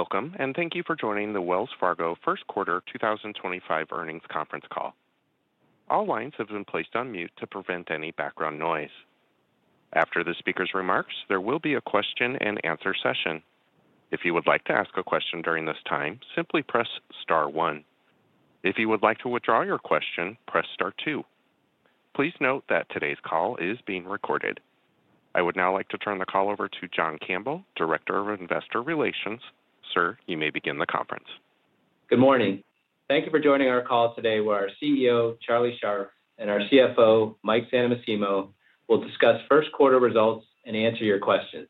Welcome, and thank you for joining the Wells Fargo First Quarter 2025 earnings conference call. All lines have been placed on mute to prevent any background noise. After the speaker's remarks, there will be a question and answer session. If you would like to ask a question during this time, simply press Star one. If you would like to withdraw your question, press Star two. Please note that today's call is being recorded. I would now like to turn the call over to John Campbell, Director of Investor Relations. Sir, you may begin the conference. Good morning. Thank you for joining our call today, where our CEO, Charlie Scharf, and our CFO, Mike Santomassimo, will discuss first-quarter results and answer your questions.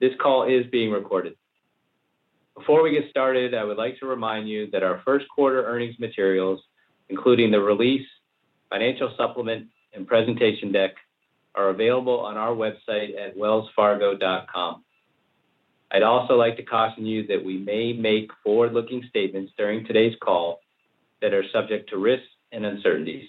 This call is being recorded. Before we get started, I would like to remind you that our first-quarter earnings materials, including the release, financial supplement, and presentation deck, are available on our website at wellsfargo.com. I'd also like to caution you that we may make forward-looking statements during today's call that are subject to risks and uncertainties.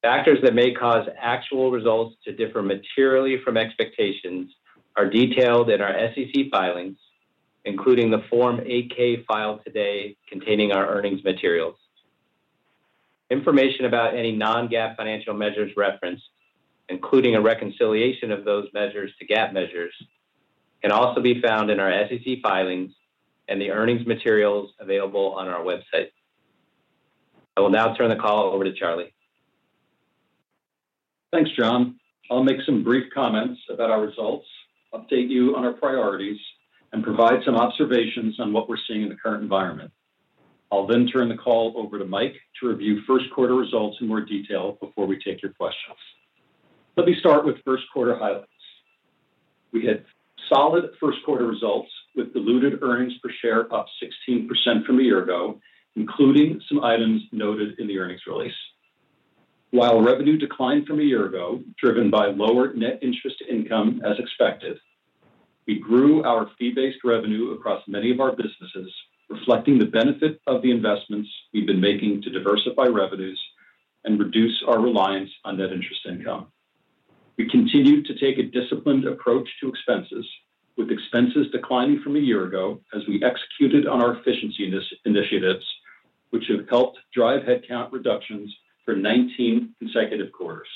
Factors that may cause actual results to differ materially from expectations are detailed in our SEC filings, including the Form 8-K filed today containing our earnings materials. Information about any non-GAAP financial measures referenced, including a reconciliation of those measures to GAAP measures, can also be found in our SEC filings and the earnings materials available on our website. I will now turn the call over to Charlie. Thanks, John. I'll make some brief comments about our results, update you on our priorities, and provide some observations on what we're seeing in the current environment. I'll then turn the call over to Mike to review first-quarter results in more detail before we take your questions. Let me start with first-quarter highlights. We had solid first-quarter results with diluted earnings per share up 16% from a year ago, including some items noted in the earnings release. While revenue declined from a year ago, driven by lower net interest income as expected, we grew our fee-based revenue across many of our businesses, reflecting the benefit of the investments we've been making to diversify revenues and reduce our reliance on net interest income. We continued to take a disciplined approach to expenses, with expenses declining from a year ago as we executed on our efficiency initiatives, which have helped drive headcount reductions for 19 consecutive quarters.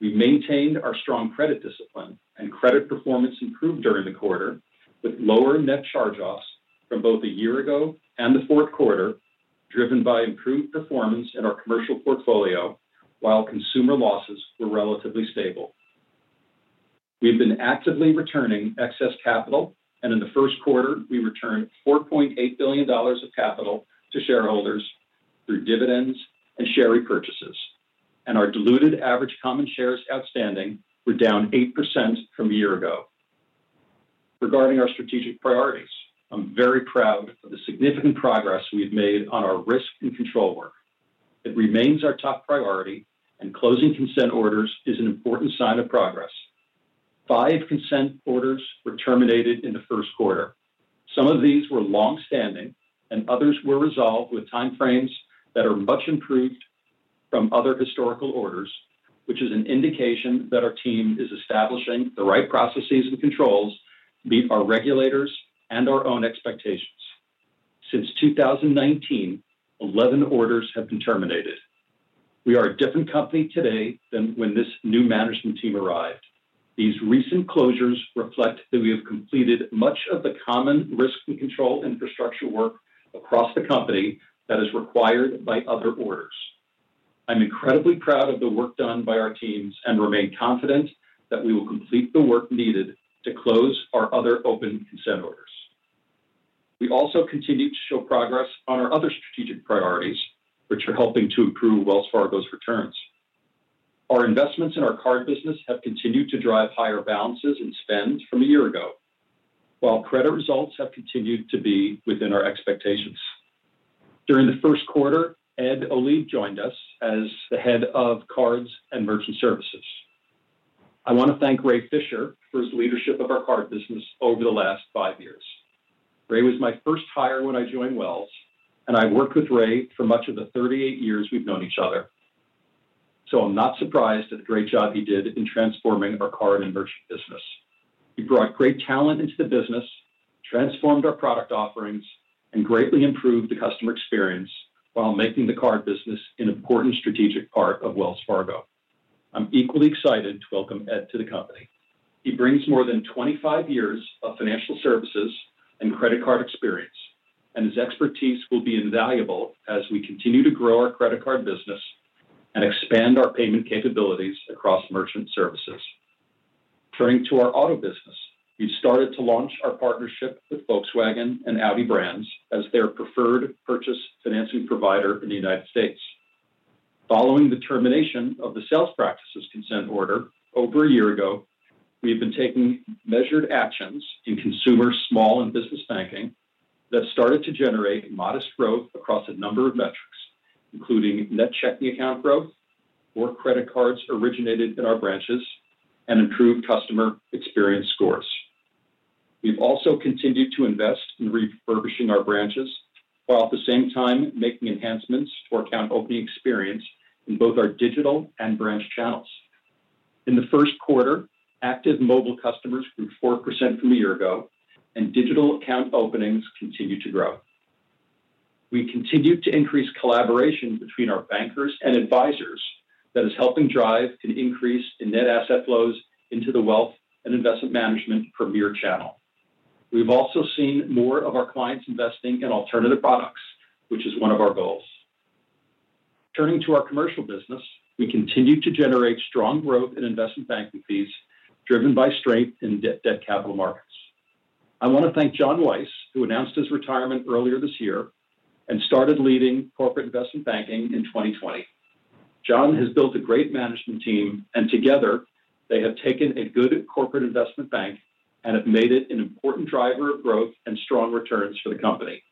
We maintained our strong credit discipline, and credit performance improved during the quarter, with lower net charge-offs from both a year ago and the fourth quarter, driven by improved performance in our commercial portfolio while consumer losses were relatively stable. We've been actively returning excess capital, and in the first quarter, we returned $4.8 billion of capital to shareholders through dividends and share repurchases, and our diluted average common shares outstanding were down 8% from a year ago. Regarding our strategic priorities, I'm very proud of the significant progress we've made on our risk and control work. It remains our top priority, and closing consent orders is an important sign of progress. Five consent orders were terminated in the first quarter. Some of these were longstanding, and others were resolved with timeframes that are much improved from other historical orders, which is an indication that our team is establishing the right processes and controls to meet our regulators and our own expectations. Since 2019, 11 orders have been terminated. We are a different company today than when this new management team arrived. These recent closures reflect that we have completed much of the common risk and control infrastructure work across the company that is required by other orders. I'm incredibly proud of the work done by our teams and remain confident that we will complete the work needed to close our other open consent orders. We also continue to show progress on our other strategic priorities, which are helping to improve Wells Fargo's returns. Our investments in our card business have continued to drive higher balances and spend from a year ago, while credit results have continued to be within our expectations. During the first quarter, Ed Olebe joined us as the Head of Cards and Merchant Services. I want to thank Ray Fischer for his leadership of our card business over the last five years. Ray was my first hire when I joined Wells, and I've worked with Ray for much of the 38 years we've known each other, so I'm not surprised at the great job he did in transforming our card and merchant business. He brought great talent into the business, transformed our product offerings, and greatly improved the customer experience while making the card business an important strategic part of Wells Fargo. I'm equally excited to welcome Ed to the company. He brings more than 25 years of financial services and credit card experience, and his expertise will be invaluable as we continue to grow our credit card business and expand our payment capabilities across merchant services. Turning to our auto business, we've started to launch our partnership with Volkswagen and Audi brands as their preferred purchase financing provider in the United States. Following the termination of the sales practices consent order over a year ago, we have been taking measured actions in consumer small and business banking that started to generate modest growth across a number of metrics, including net checking account growth, credit cards originated in our branches, and improved customer experience scores. We've also continued to invest in refurbishing our branches while at the same time making enhancements to our account opening experience in both our digital and branch channels. In the first quarter, active mobile customers grew 4% from a year ago, and digital account openings continued to grow. We continue to increase collaboration between our bankers and advisors that is helping drive an increase in net asset flows into the wealth and investment management premier channel. We've also seen more of our clients investing in alternative products, which is one of our goals. Turning to our commercial business, we continue to generate strong growth in investment banking fees, driven by strength in debt capital markets. I want to thank Jon Weiss, who announced his retirement earlier this year and started leading corporate investment banking in 2020. John has built a great management team, and together they have taken a good corporate investment bank and have made it an important driver of growth and strong returns for the company.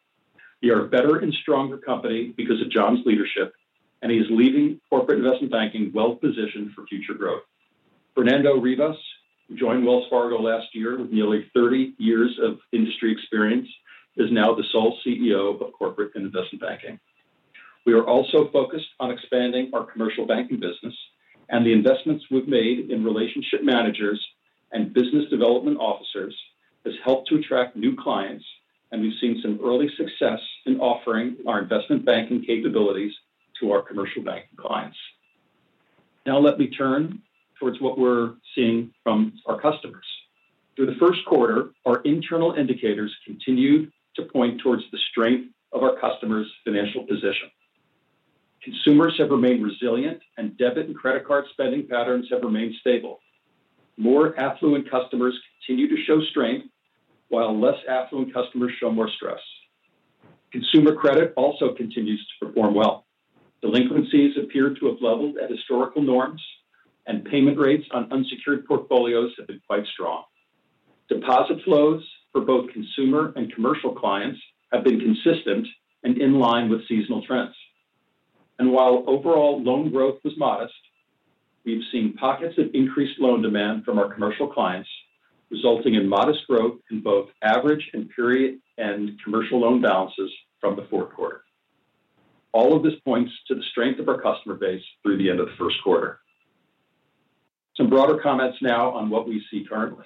We are a better and stronger company because of John's leadership, and he is leaving corporate investment banking well-positioned for future growth. Fernando Rivas, who joined Wells Fargo last year with nearly 30 years of industry experience, is now the sole CEO of corporate investment banking. We are also focused on expanding our commercial banking business, and the investments we've made in relationship managers and business development officers have helped to attract new clients, and we've seen some early success in offering our investment banking capabilities to our commercial banking clients. Now let me turn towards what we're seeing from our customers. Through the first quarter, our internal indicators continued to point towards the strength of our customers' financial position. Consumers have remained resilient, and debit and credit card spending patterns have remained stable. More affluent customers continue to show strength, while less affluent customers show more stress. Consumer credit also continues to perform well. Delinquencies appear to have leveled at historical norms, and payment rates on unsecured portfolios have been quite strong. Deposit flows for both consumer and commercial clients have been consistent and in line with seasonal trends. While overall loan growth was modest, we've seen pockets of increased loan demand from our commercial clients, resulting in modest growth in both average and period-end commercial loan balances from the fourth quarter. All of this points to the strength of our customer base through the end of the first quarter. Some broader comments now on what we see currently.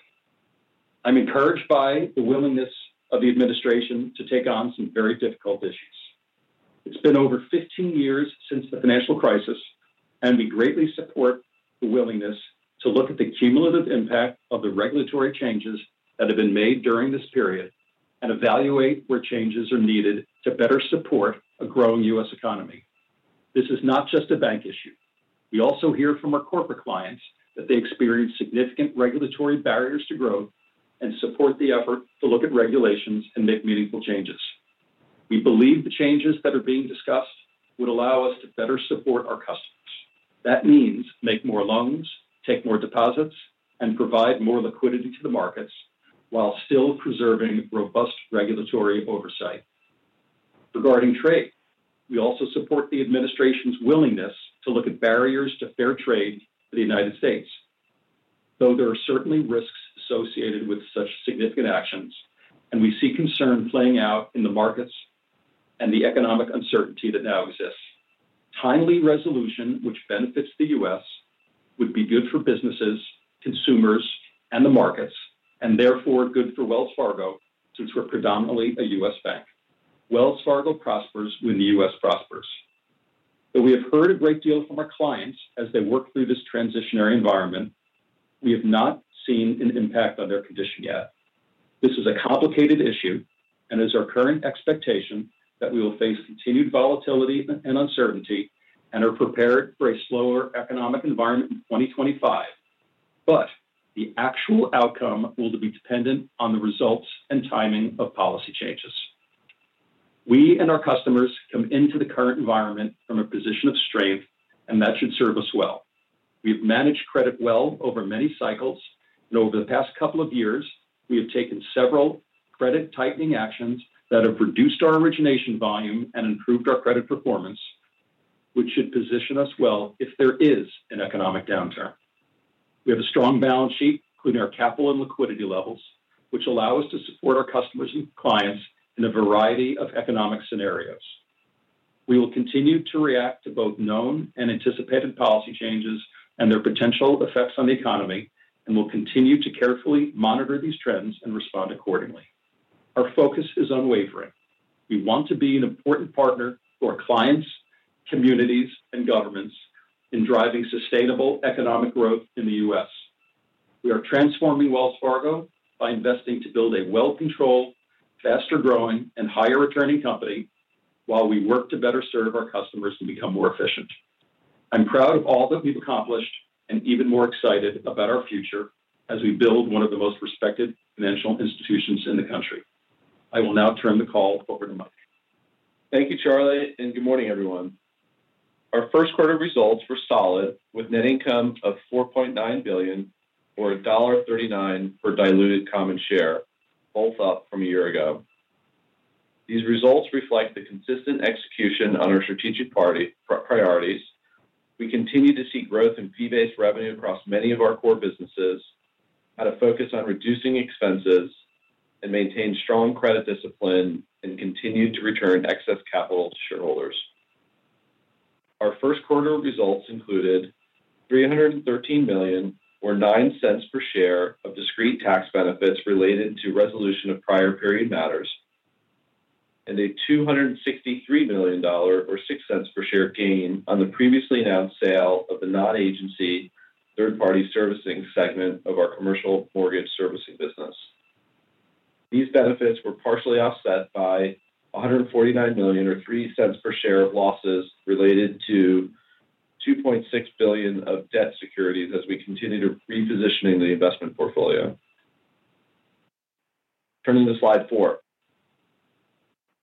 I'm encouraged by the willingness of the administration to take on some very difficult issues. It's been over 15 years since the financial crisis, and we greatly support the willingness to look at the cumulative impact of the regulatory changes that have been made during this period and evaluate where changes are needed to better support a growing U.S. economy. This is not just a bank issue. We also hear from our corporate clients that they experience significant regulatory barriers to growth and support the effort to look at regulations and make meaningful changes. We believe the changes that are being discussed would allow us to better support our customers. That means make more loans, take more deposits, and provide more liquidity to the markets while still preserving robust regulatory oversight. Regarding trade, we also support the administration's willingness to look at barriers to fair trade for the United States, though there are certainly risks associated with such significant actions, and we see concern playing out in the markets and the economic uncertainty that now exists. Timely resolution, which benefits the U.S., would be good for businesses, consumers, and the markets, and therefore good for Wells Fargo, since we're predominantly a U.S. bank. Wells Fargo prospers when the U.S. prospers. Though we have heard a great deal from our clients as they work through this transitionary environment, we have not seen an impact on their condition yet. This is a complicated issue, and it is our current expectation that we will face continued volatility and uncertainty and are prepared for a slower economic environment in 2025, but the actual outcome will be dependent on the results and timing of policy changes. We and our customers come into the current environment from a position of strength, and that should serve us well. We have managed credit well over many cycles, and over the past couple of years, we have taken several credit-tightening actions that have reduced our origination volume and improved our credit performance, which should position us well if there is an economic downturn. We have a strong balance sheet, including our capital and liquidity levels, which allow us to support our customers and clients in a variety of economic scenarios. We will continue to react to both known and anticipated policy changes and their potential effects on the economy, and we'll continue to carefully monitor these trends and respond accordingly. Our focus is unwavering. We want to be an important partner for our clients, communities, and governments in driving sustainable economic growth in the U.S. We are transforming Wells Fargo by investing to build a well-controlled, faster-growing, and higher-returning company while we work to better serve our customers and become more efficient. I'm proud of all that we've accomplished and even more excited about our future as we build one of the most respected financial institutions in the country. I will now turn the call over to Mike. Thank you, Charlie, and good morning, everyone. Our first-quarter results were solid, with net income of $4.9 billion or $1.39 per diluted common share, both up from a year ago. These results reflect the consistent execution on our strategic priorities. We continue to see growth in fee-based revenue across many of our core businesses, had a focus on reducing expenses, and maintained strong credit discipline and continued to return excess capital to shareholders. Our first-quarter results included $313 million or $0.09 per share of discrete tax benefits related to resolution of prior period matters and a $263 million or a $0.06 per share gain on the previously announced sale of the non-agency third-party servicing segment of our commercial mortgage servicing business. These benefits were partially offset by $149 million or $0.03 per share of losses related to $2.6 billion of debt securities as we continue to reposition the investment portfolio. Turning to slide four,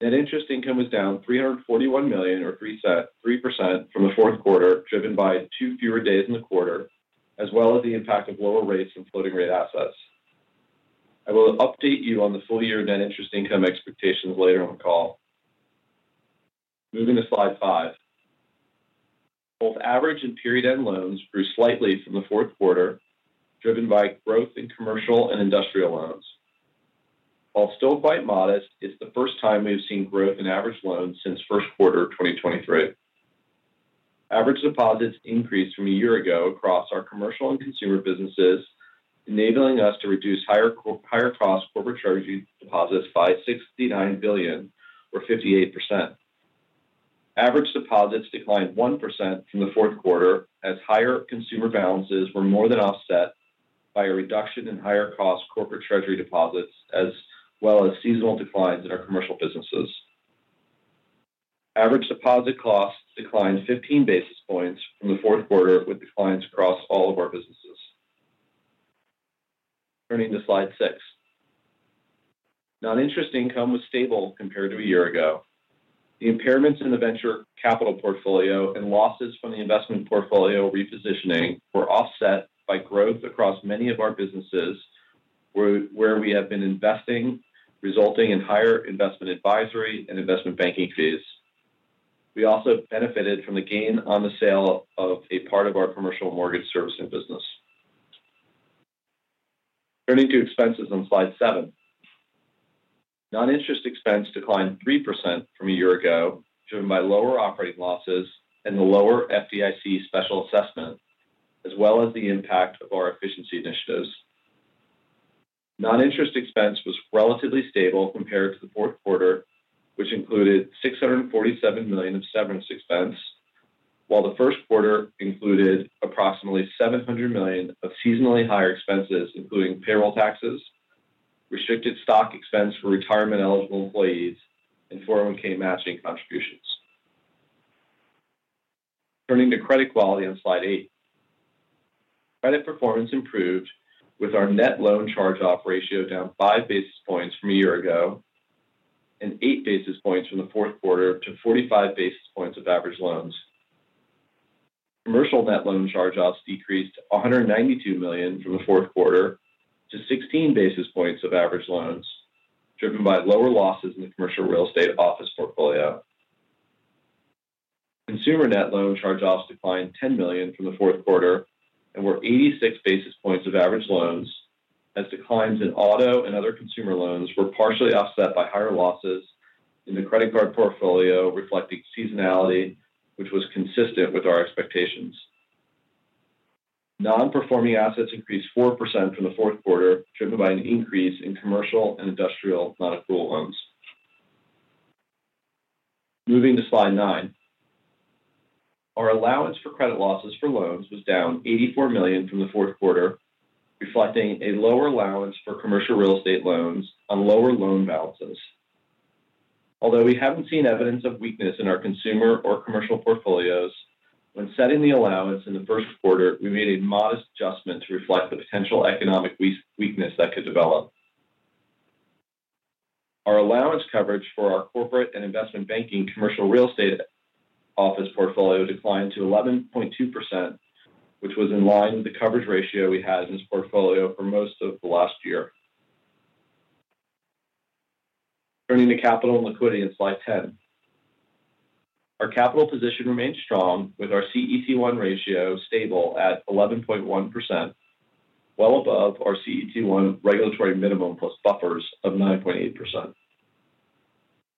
net interest income was down $341 million or 3% from the fourth quarter, driven by two fewer days in the quarter, as well as the impact of lower rates and floating rate assets. I will update you on the full-year net interest income expectations later on the call. Moving to slide five, both average and period end loans grew slightly from the fourth quarter, driven by growth in commercial and industrial loans. While still quite modest, it is the first time we have seen growth in average loans since first quarter 2023. Average deposits increased from a year ago across our commercial and consumer businesses, enabling us to reduce higher-cost corporate treasury deposits by $69 billion or 58%. Average deposits declined 1% from the fourth quarter as higher consumer balances were more than offset by a reduction in higher-cost corporate treasury deposits, as well as seasonal declines in our commercial businesses. Average deposit costs declined 15 basis points from the fourth quarter, with declines across all of our businesses. Turning to slide six, non-interest income was stable compared to a year ago. The impairments in the venture capital portfolio and losses from the investment portfolio repositioning were offset by growth across many of our businesses where we have been investing, resulting in higher investment advisory and investment banking fees. We also benefited from the gain on the sale of a part of our commercial mortgage servicing business. Turning to expenses on slide seven, non-interest expense declined 3% from a year ago, driven by lower operating losses and the lower FDIC special assessment, as well as the impact of our efficiency initiatives. Non-interest expense was relatively stable compared to the fourth quarter, which included $647 million of severance expense, while the first quarter included approximately $700 million of seasonally higher expenses, including payroll taxes, restricted stock expense for retirement-eligible employees, and 401(k) matching contributions. Turning to credit quality on slide eight, credit performance improved with our net loan charge-off ratio down five basis points from a year ago and eight basis points from the fourth quarter to 45 basis points of average loans. Commercial net loan charge-offs decreased $192 million from the fourth quarter to 16 basis points of average loans, driven by lower losses in the commercial real estate office portfolio. Consumer net loan charge-offs declined $10 million from the fourth quarter and were 86 basis points of average loans, as declines in auto and other consumer loans were partially offset by higher losses in the credit card portfolio, reflecting seasonality, which was consistent with our expectations. Non-performing assets increased 4% from the fourth quarter, driven by an increase in commercial and industrial non-accrual loans. Moving to slide nine, our allowance for credit losses for loans was down $84 million from the fourth quarter, reflecting a lower allowance for commercial real estate loans on lower loan balances. Although we haven't seen evidence of weakness in our consumer or commercial portfolios, when setting the allowance in the first quarter, we made a modest adjustment to reflect the potential economic weakness that could develop. Our allowance coverage for our corporate and investment banking commercial real estate office portfolio declined to 11.2%, which was in line with the coverage ratio we had in this portfolio for most of the last year. Turning to capital and liquidity on slide ten, our capital position remained strong, with our CET1 ratio stable at 11.1%, well above our CET1 regulatory minimum plus buffers of 9.8%.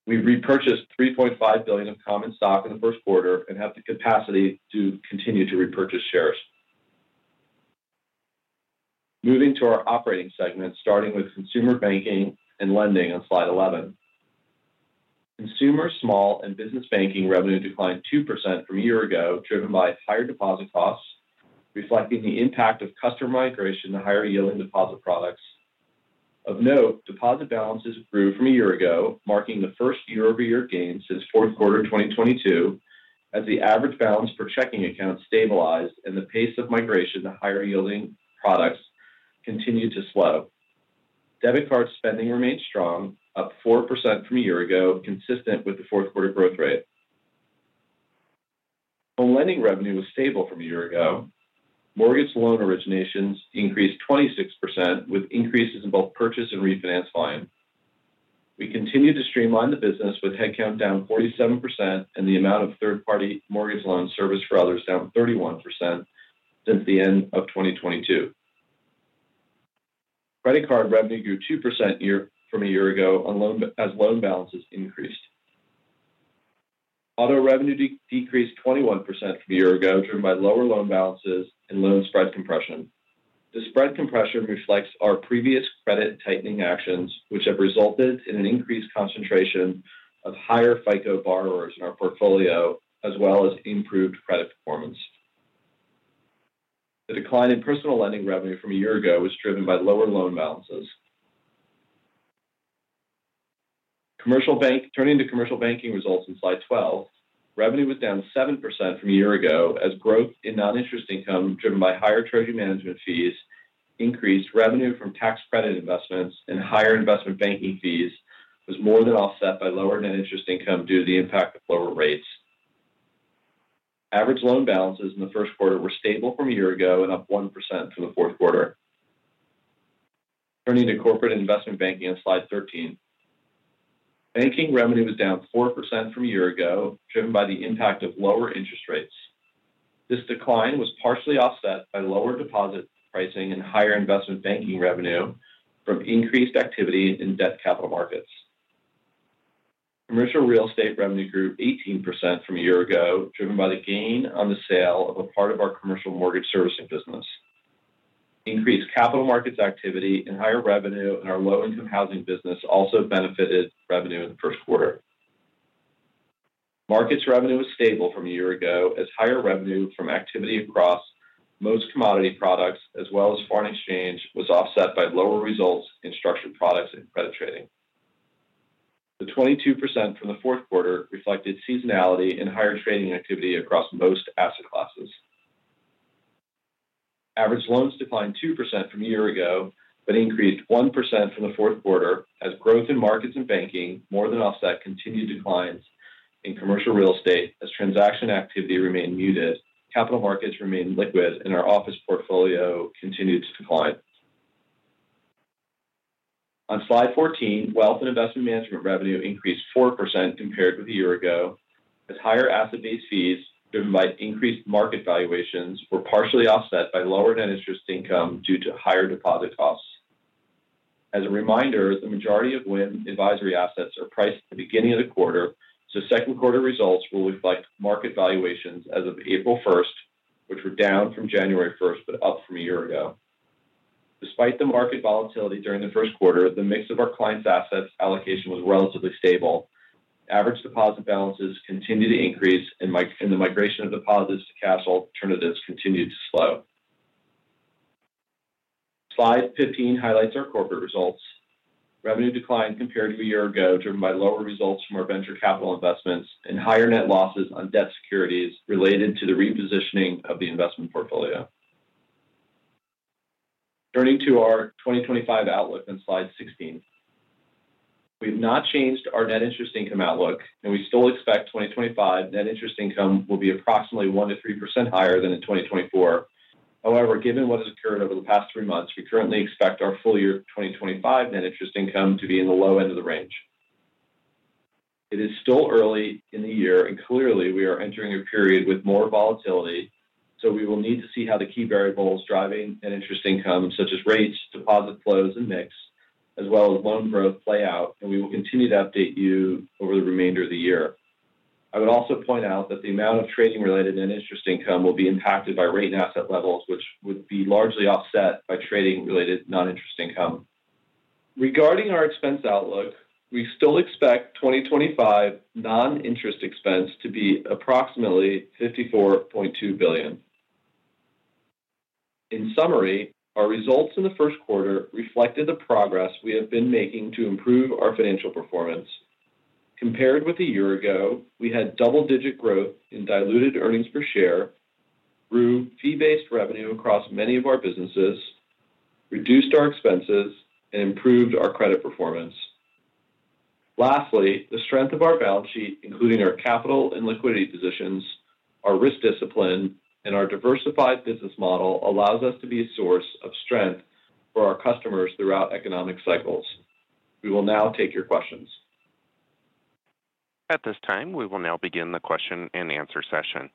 We repurchased $3.5 billion of common stock in the first quarter and have the capacity to continue to repurchase shares. Moving to our operating segment, starting with Consumer Banking and Lending on slide 11. Consumer small and business banking revenue declined 2% from a year ago, driven by higher deposit costs, reflecting the impact of customer migration to higher-yielding deposit products. Of note, deposit balances grew from a year ago, marking the first year-over-year gain since fourth quarter 2022, as the average balance per checking account stabilized and the pace of migration to higher-yielding products continued to slow. Debit card spending remained strong, up 4% from a year ago, consistent with the fourth quarter growth rate. Home lending revenue was stable from a year ago. Mortgage loan originations increased 26%, with increases in both purchase and refinance volume. We continued to streamline the business, with headcount down 47% and the amount of third-party mortgage loan service for others down 31% since the end of 2022. Credit card revenue grew 2% from a year ago as loan balances increased. Auto revenue decreased 21% from a year ago, driven by lower loan balances and loan spread compression. The spread compression reflects our previous credit-tightening actions, which have resulted in an increased concentration of higher FICO borrowers in our portfolio, as well as improved credit performance. The decline in Personal Lending revenue from a year ago was driven by lower loan balances. Turning to Commercial Banking results on slide 12, revenue was down 7% from a year ago as growth in non-interest income, driven by higher treasury management fees, increased revenue from tax credit investments, and higher investment banking fees, was more than offset by lower net interest income due to the impact of lower rates. Average loan balances in the first quarter were stable from a year ago and up 1% from the fourth quarter. Turning to Corporate Investment Banking on slide 13, banking revenue was down 4% from a year ago, driven by the impact of lower interest rates. This decline was partially offset by lower deposit pricing and higher investment banking revenue from increased activity in debt capital markets. Commercial real estate revenue grew 18% from a year ago, driven by the gain on the sale of a part of our commercial mortgage servicing business. Increased capital markets activity and higher revenue in our low-income housing business also benefited revenue in the first quarter. Markets revenue was stable from a year ago as higher revenue from activity across most commodity products, as well as foreign exchange, was offset by lower results in structured products and credit trading. The 22% from the fourth quarter reflected seasonality and higher trading activity across most asset classes. Average loans declined 2% from a year ago, but increased 1% from the fourth quarter as growth in markets and banking more than offset continued declines in commercial real estate as transaction activity remained muted, capital markets remained liquid, and our office portfolio continued to decline. On slide 14, Wealth and Investment Management revenue increased 4% compared with a year ago as higher asset-based fees, driven by increased market valuations, were partially offset by lower net interest income due to higher deposit costs. As a reminder, the majority of WIM advisory assets are priced at the beginning of the quarter, so second-quarter results will reflect market valuations as of April 1st, which were down from January 1st but up from a year ago. Despite the market volatility during the first quarter, the mix of our clients' assets allocation was relatively stable. Average deposit balances continued to increase, and the migration of deposits to cash alternatives continued to slow. Slide 15 highlights our corporate results. Revenue declined compared to a year ago, driven by lower results from our venture capital investments and higher net losses on debt securities related to the repositioning of the investment portfolio. Turning to our 2025 outlook on slide 16, we have not changed our net interest income outlook, and we still expect 2025 net interest income will be approximately 1%-3% higher than in 2024. However, given what has occurred over the past three months, we currently expect our full-year 2025 net interest income to be in the low end of the range. It is still early in the year, and clearly we are entering a period with more volatility, so we will need to see how the key variables driving net interest income, such as rates, deposit flows, and mix, as well as loan growth, play out, and we will continue to update you over the remainder of the year. I would also point out that the amount of trading-related net interest income will be impacted by rate and asset levels, which would be largely offset by trading-related non-interest income. Regarding our expense outlook, we still expect 2025 non-interest expense to be approximately $54.2 billion. In summary, our results in the first quarter reflected the progress we have been making to improve our financial performance. Compared with a year ago, we had double-digit growth in diluted earnings per share, grew fee-based revenue across many of our businesses, reduced our expenses, and improved our credit performance. Lastly, the strength of our balance sheet, including our capital and liquidity positions, our risk discipline, and our diversified business model allows us to be a source of strength for our customers throughout economic cycles. We will now take your questions. At this time, we will now begin the question-and-answer session.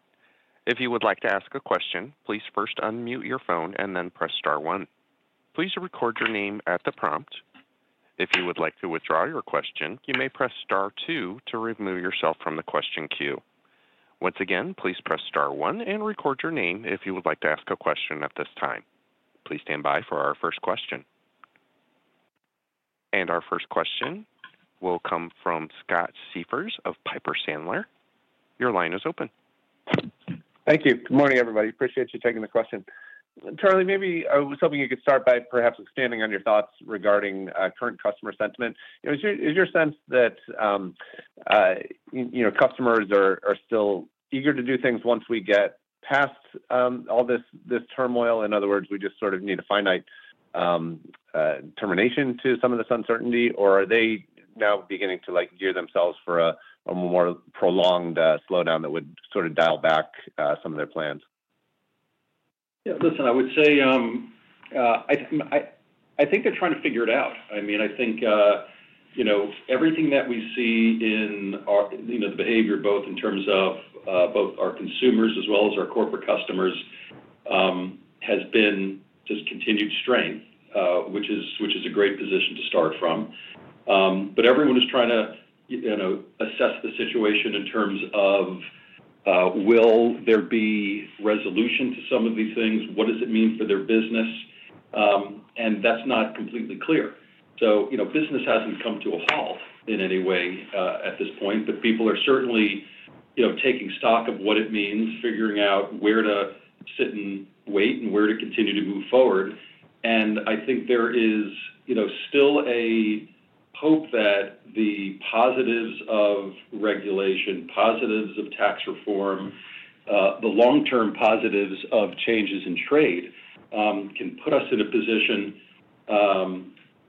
If you would like to ask a question, please first unmute your phone and then press star one. Please record your name at the prompt. If you would like to withdraw your question, you may press star two to remove yourself from the question queue. Once again, please press star one and record your name if you would like to ask a question at this time. Please stand by for our first question. Our first question will come from Scott Siefers of Piper Sandler. Your line is open. Thank you. Good morning, everybody. Appreciate you taking the question. Charlie, maybe I was hoping you could start by perhaps expanding on your thoughts regarding current customer sentiment. Is your sense that customers are still eager to do things once we get past all this turmoil? In other words, we just sort of need a finite termination to some of this uncertainty, or are they now beginning to gear themselves for a more prolonged slowdown that would sort of dial back some of their plans? Yeah. Listen, I would say I think they're trying to figure it out. I mean, I think everything that we see in the behavior, both in terms of both our consumers as well as our corporate customers, has been just continued strength, which is a great position to start from. Everyone is trying to assess the situation in terms of, will there be resolution to some of these things? What does it mean for their business? That is not completely clear. Business has not come to a halt in any way at this point, but people are certainly taking stock of what it means, figuring out where to sit and wait and where to continue to move forward. I think there is still a hope that the positives of regulation, positives of tax reform, the long-term positives of changes in trade can put us in a position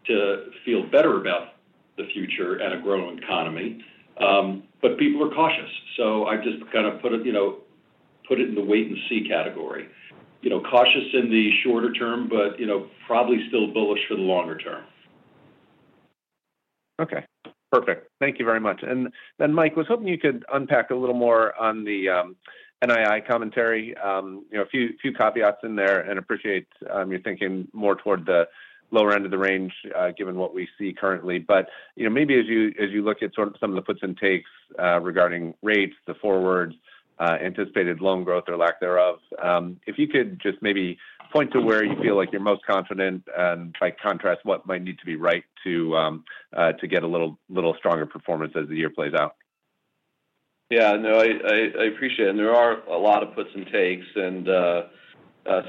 to feel better about the future and a growing economy. People are cautious, so I've just kind of put it in the wait-and-see category. Cautious in the shorter term, but probably still bullish for the longer term. Okay. Perfect. Thank you very much. Mike, I was hoping you could unpack a little more on the NII commentary. A few caveats in there, and I appreciate you're thinking more toward the lower end of the range given what we see currently. Maybe as you look at some of the puts and takes regarding rates, the forwards, anticipated loan growth, or lack thereof, if you could just maybe point to where you feel like you're most confident and, by contrast, what might need to be right to get a little stronger performance as the year plays out. Yeah. No, I appreciate it. There are a lot of puts and takes and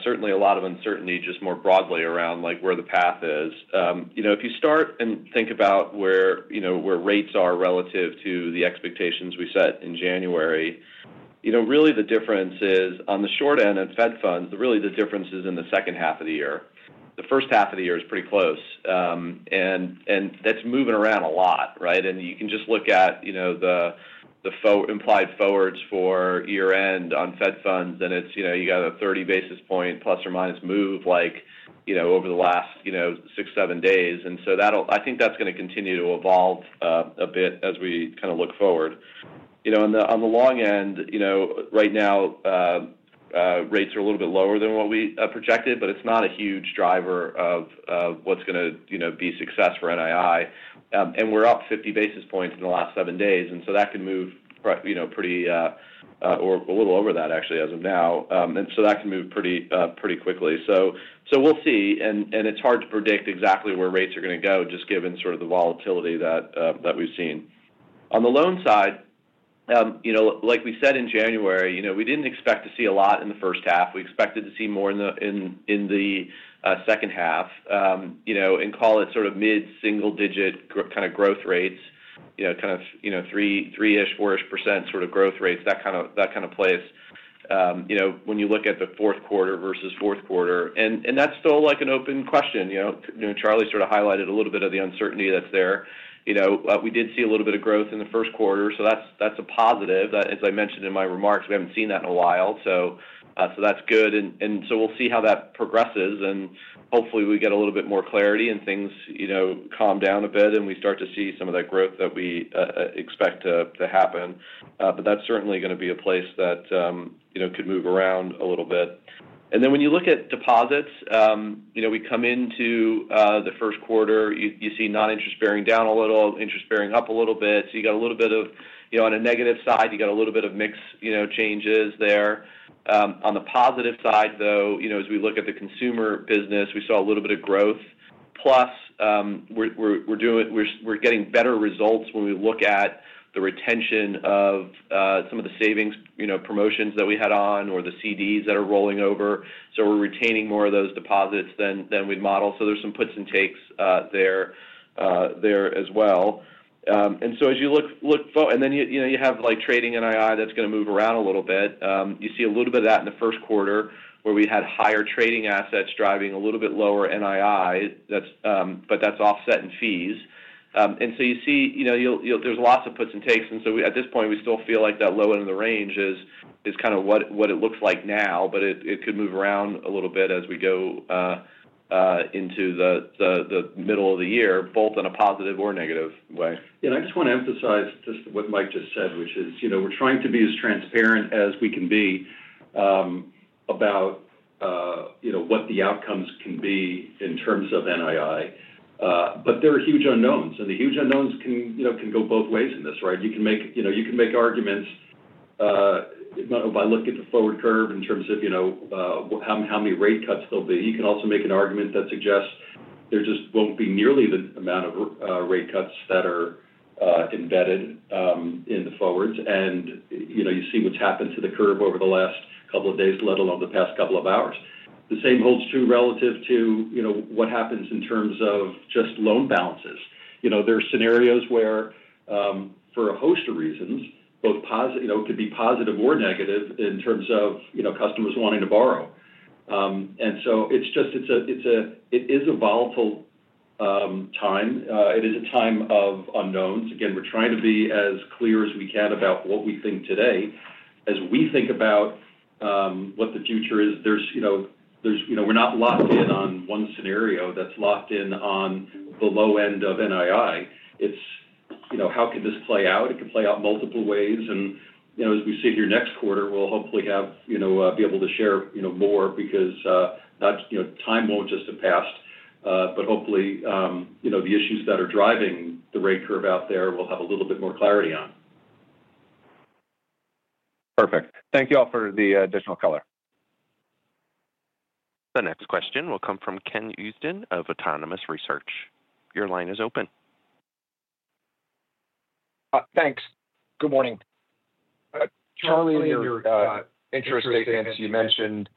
certainly a lot of uncertainty just more broadly around where the path is. If you start and think about where rates are relative to the expectations we set in January, really the difference is on the short end of Fed funds, really the difference is in the second half of the year. The first half of the year is pretty close, and that's moving around a lot, right? You can just look at the implied forwards for year-end on Fed funds, and you got a 30 basis point plus or minus move over the last six or seven days. I think that's going to continue to evolve a bit as we kind of look forward. On the long end, right now, rates are a little bit lower than what we projected, but it's not a huge driver of what's going to be success for NII. We're up 50 basis points in the last seven days, and that can move pretty, or a little over that, actually, as of now. That can move pretty quickly. We'll see, and it's hard to predict exactly where rates are going to go just given sort of the volatility that we've seen. On the loan side, like we said in January, we didn't expect to see a lot in the first half. We expected to see more in the second half and call it sort of mid-single-digit kind of growth rates, kind of 3-ish, 4-ish percent sort of growth rates, that kind of place when you look at the fourth quarter versus fourth quarter. That's still an open question. Charlie sort of highlighted a little bit of the uncertainty that's there. We did see a little bit of growth in the first quarter, so that's a positive. As I mentioned in my remarks, we haven't seen that in a while, so that's good. We'll see how that progresses, and hopefully we get a little bit more clarity and things calm down a bit and we start to see some of that growth that we expect to happen. That's certainly going to be a place that could move around a little bit. When you look at deposits, we come into the first quarter, you see non-interest bearing down a little, interest bearing up a little bit. You got a little bit of on a negative side, you got a little bit of mixed changes there. On the positive side, though, as we look at the consumer business, we saw a little bit of growth, plus we're getting better results when we look at the retention of some of the savings promotions that we had on or the CDs that are rolling over. We are retaining more of those deposits than we'd model. There are some puts and takes there as well. As you look forward, you have trading NII that's going to move around a little bit. You see a little bit of that in the first quarter where we had higher trading assets driving a little bit lower NII, but that's offset in fees. You see there's lots of puts and takes. At this point, we still feel like that low end of the range is kind of what it looks like now, but it could move around a little bit as we go into the middle of the year, both in a positive or negative way. Yeah. I just want to emphasize just what Mike just said, which is we're trying to be as transparent as we can be about what the outcomes can be in terms of NII. There are huge unknowns, and the huge unknowns can go both ways in this, right? You can make arguments. If I look at the forward curve in terms of how many rate cuts there'll be, you can also make an argument that suggests there just won't be nearly the amount of rate cuts that are embedded in the forwards. You see what's happened to the curve over the last couple of days, let alone the past couple of hours. The same holds true relative to what happens in terms of just loan balances. There are scenarios where, for a host of reasons, both could be positive or negative in terms of customers wanting to borrow. It is a volatile time. It is a time of unknowns. Again, we're trying to be as clear as we can about what we think today. As we think about what the future is, we're not locked in on one scenario that's locked in on the low end of NII. It's how can this play out? It can play out multiple ways. As we sit here next quarter, we'll hopefully be able to share more because time won't just have passed, but hopefully the issues that are driving the rate curve out there will have a little bit more clarity on. Perfect. Thank you all for the additional color. The next question will come from Ken Usdin of Autonomous Research. Your line is open. Thanks. Good morning. Charlie, in your interest statements, you mentioned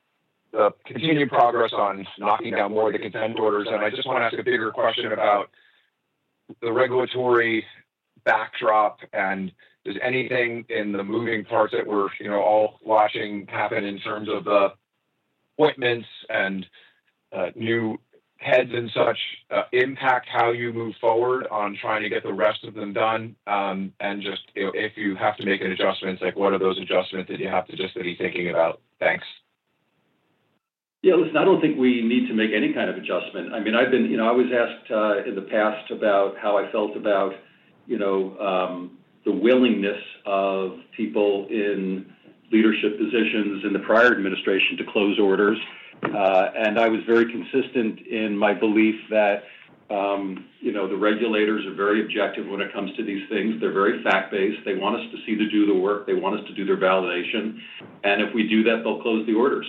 the continued progress on knocking down more of the consent orders. I just want to ask a bigger question about the regulatory backdrop, and does anything in the moving parts that we're all watching happen in terms of the appointments and new heads and such impact how you move forward on trying to get the rest of them done? If you have to make an adjustment, what are those adjustments that you have to just be thinking about? Thanks. Yeah. Listen, I don't think we need to make any kind of adjustment. I mean, I was asked in the past about how I felt about the willingness of people in leadership positions in the prior administration to close orders. I was very consistent in my belief that the regulators are very objective when it comes to these things. They're very fact-based. They want us to do the work. They want us to do their validation. If we do that, they'll close the orders.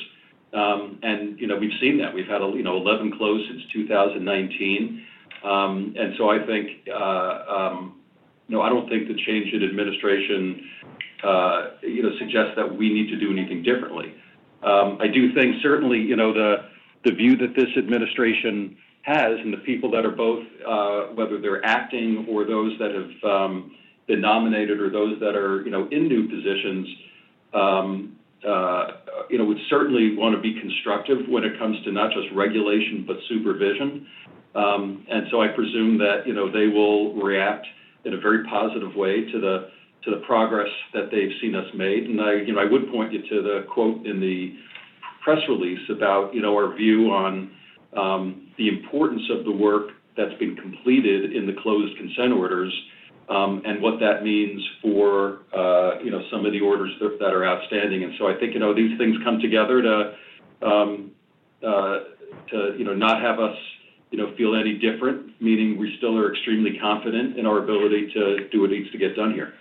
We've seen that. We've had 11 closed since 2019. I don't think the change in administration suggests that we need to do anything differently. I do think certainly the view that this administration has and the people that are both, whether they're acting or those that have been nominated or those that are in new positions, would certainly want to be constructive when it comes to not just regulation, but supervision. I presume that they will react in a very positive way to the progress that they've seen us make. I would point you to the quote in the press release about our view on the importance of the work that's been completed in the closed consent orders and what that means for some of the orders that are outstanding. I think these things come together to not have us feel any different, meaning we still are extremely confident in our ability to do what needs to get done here.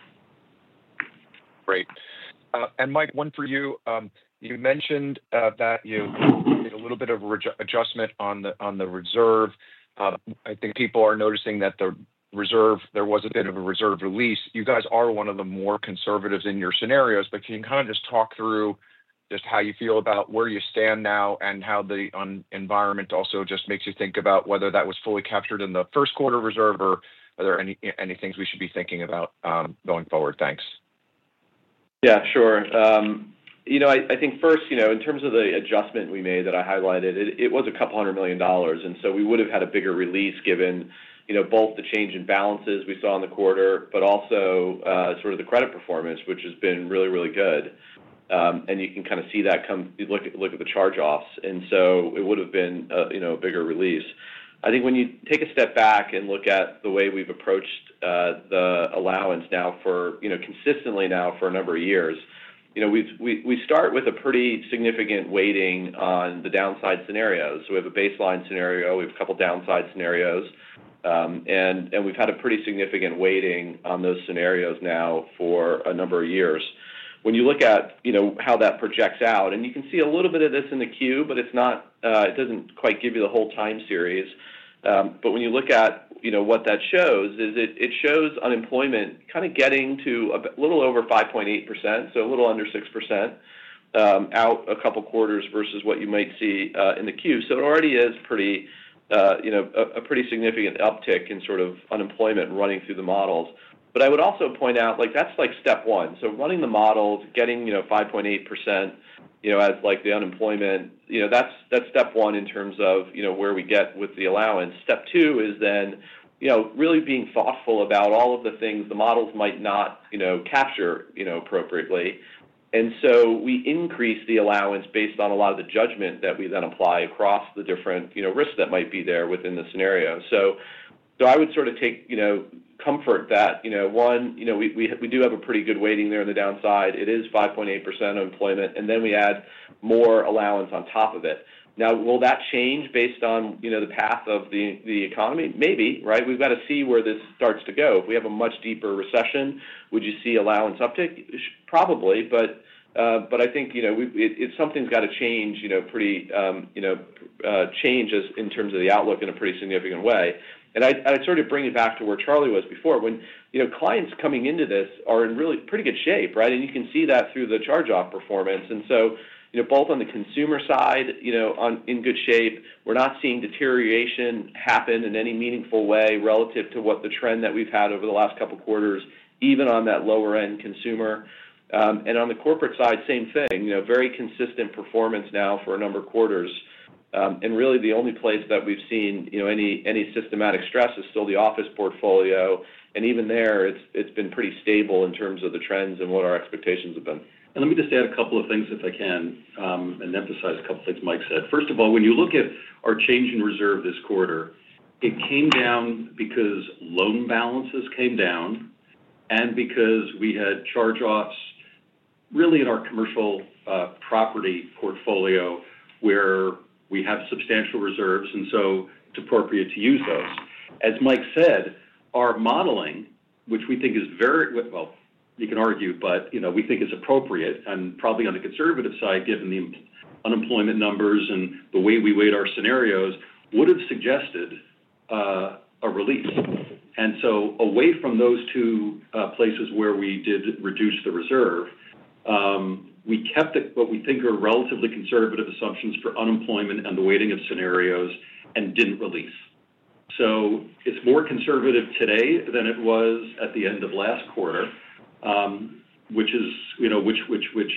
Great. And Mike, one for you. You mentioned that you made a little bit of an adjustment on the reserve. I think people are noticing that there was a bit of a reserve release. You guys are one of the more conservatives in your scenarios, but can you kind of just talk through just how you feel about where you stand now and how the environment also just makes you think about whether that was fully captured in the first quarter reserve or are there any things we should be thinking about going forward? Thanks. Yeah. Sure. I think first, in terms of the adjustment we made that I highlighted, it was a couple hundred million dollars. We would have had a bigger release given both the change in balances we saw in the quarter, but also sort of the credit performance, which has been really, really good. You can kind of see that come look at the charge-offs. It would have been a bigger release. I think when you take a step back and look at the way we've approached the allowance now for consistently now for a number of years, we start with a pretty significant weighting on the downside scenarios. We have a baseline scenario. We have a couple of downside scenarios. We've had a pretty significant weighting on those scenarios now for a number of years. When you look at how that projects out, you can see a little bit of this in the Q, but it doesn't quite give you the whole time series. When you look at what that shows, it shows unemployment kind of getting to a little over 5.8%, so a little under 6% out a couple quarters versus what you might see in the Q. It already is a pretty significant uptick in sort of unemployment running through the models. I would also point out that's step one. Running the models, getting 5.8% as the unemployment, that's step one in terms of where we get with the allowance. Step two is then really being thoughtful about all of the things the models might not capture appropriately. We increase the allowance based on a lot of the judgment that we then apply across the different risks that might be there within the scenario. I would sort of take comfort that, one, we do have a pretty good weighting there in the downside. It is 5.8% of employment, and then we add more allowance on top of it. Now, will that change based on the path of the economy? Maybe, right? We've got to see where this starts to go. If we have a much deeper recession, would you see allowance uptick? Probably. I think something's got to change in terms of the outlook in a pretty significant way. I sort of bring it back to where Charlie was before. When clients coming into this are in really pretty good shape, right? You can see that through the charge-off performance. Both on the consumer side, in good shape. We're not seeing deterioration happen in any meaningful way relative to what the trend that we've had over the last couple quarters, even on that lower-end consumer. On the corporate side, same thing. Very consistent performance now for a number of quarters. Really, the only place that we've seen any systematic stress is still the office portfolio. Even there, it's been pretty stable in terms of the trends and what our expectations have been. Let me just add a couple of things if I can and emphasize a couple of things Mike said. First of all, when you look at our change in reserve this quarter, it came down because loan balances came down and because we had charge-offs really in our commercial property portfolio where we have substantial reserves, and so it's appropriate to use those. As Mike said, our modeling, which we think is very well, you can argue, but we think it's appropriate and probably on the conservative side, given the unemployment numbers and the way we weighed our scenarios, would have suggested a release. Away from those two places where we did reduce the reserve, we kept what we think are relatively conservative assumptions for unemployment and the weighting of scenarios and did not release. It is more conservative today than it was at the end of last quarter, which was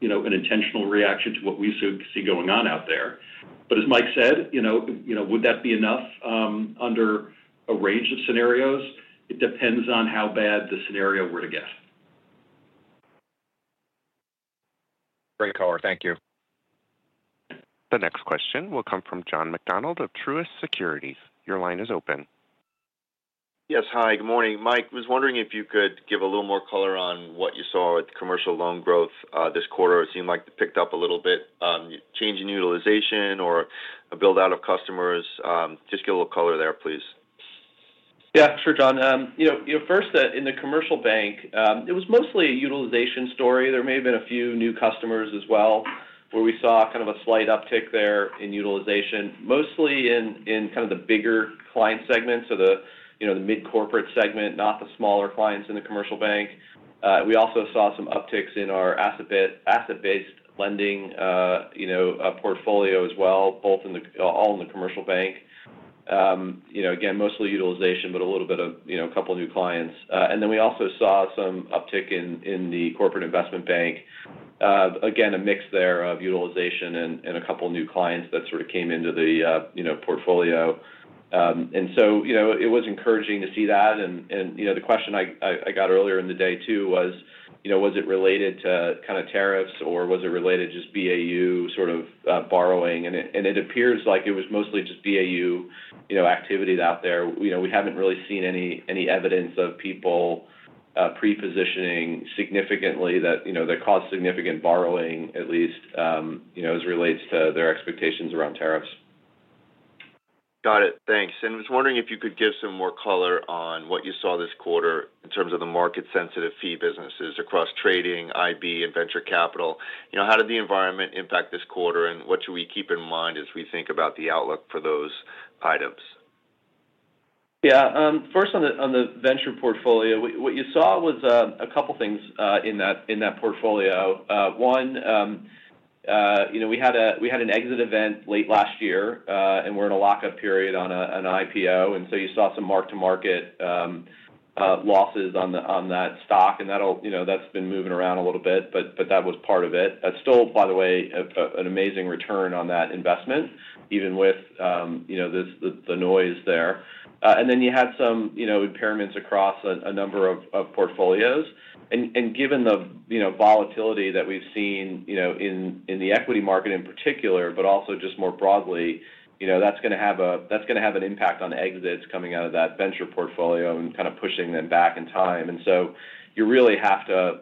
an intentional reaction to what we see going on out there. As Mike said, would that be enough under a range of scenarios? It depends on how bad the scenario were to get. Great color. Thank you. The next question will come from John McDonald of Truist Securities. Your line is open. Yes. Hi. Good morning. Mike, I was wondering if you could give a little more color on what you saw with commercial loan growth this quarter. It seemed like it picked up a little bit. Change in utilization or a build-out of customers? Just give a little color there, please. Yeah. Sure, John. First, in the commercial bank, it was mostly a utilization story. There may have been a few new customers as well where we saw kind of a slight uptick there in utilization, mostly in kind of the bigger client segments, so the mid-corporate segment, not the smaller clients in the commercial bank. We also saw some upticks in our asset-based lending portfolio as well, all in the commercial bank. Again, mostly utilization, but a little bit of a couple of new clients. We also saw some uptick in the corporate investment bank. Again, a mix there of utilization and a couple of new clients that sort of came into the portfolio. It was encouraging to see that. The question I got earlier in the day too was, was it related to kind of tariffs or was it related to just BAU sort of borrowing? It appears like it was mostly just BAU activity out there. We have not really seen any evidence of people pre-positioning significantly that caused significant borrowing, at least as it relates to their expectations around tariffs. Got it. Thanks. I was wondering if you could give some more color on what you saw this quarter in terms of the market-sensitive fee businesses across trading, IB, and venture capital. How did the environment impact this quarter? What should we keep in mind as we think about the outlook for those items? Yeah. First, on the venture portfolio, what you saw was a couple of things in that portfolio. One, we had an exit event late last year, and we're in a lockup period on an IPO. You saw some mark-to-market losses on that stock, and that's been moving around a little bit, but that was part of it. That's still, by the way, an amazing return on that investment, even with the noise there. Then you had some impairments across a number of portfolios. Given the volatility that we've seen in the equity market in particular, but also just more broadly, that's going to have an impact on exits coming out of that venture portfolio and kind of pushing them back in time. You really have to,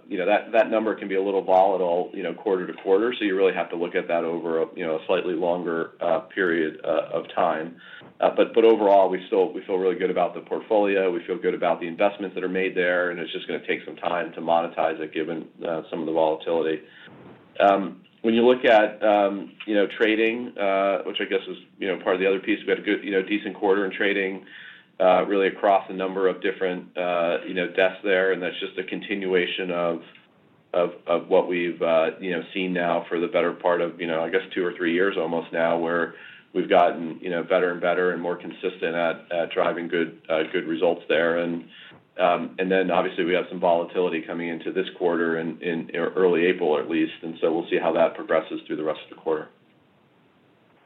that number can be a little volatile quarter to quarter, so you really have to look at that over a slightly longer period of time. Overall, we feel really good about the portfolio. We feel good about the investments that are made there, and it's just going to take some time to monetize it given some of the volatility. When you look at trading, which I guess is part of the other piece, we had a decent quarter in trading really across a number of different desks there. That is just a continuation of what we've seen now for the better part of, I guess, two or three years almost now where we've gotten better and better and more consistent at driving good results there. Obviously, we have some volatility coming into this quarter in early April, at least. We'll see how that progresses through the rest of the quarter.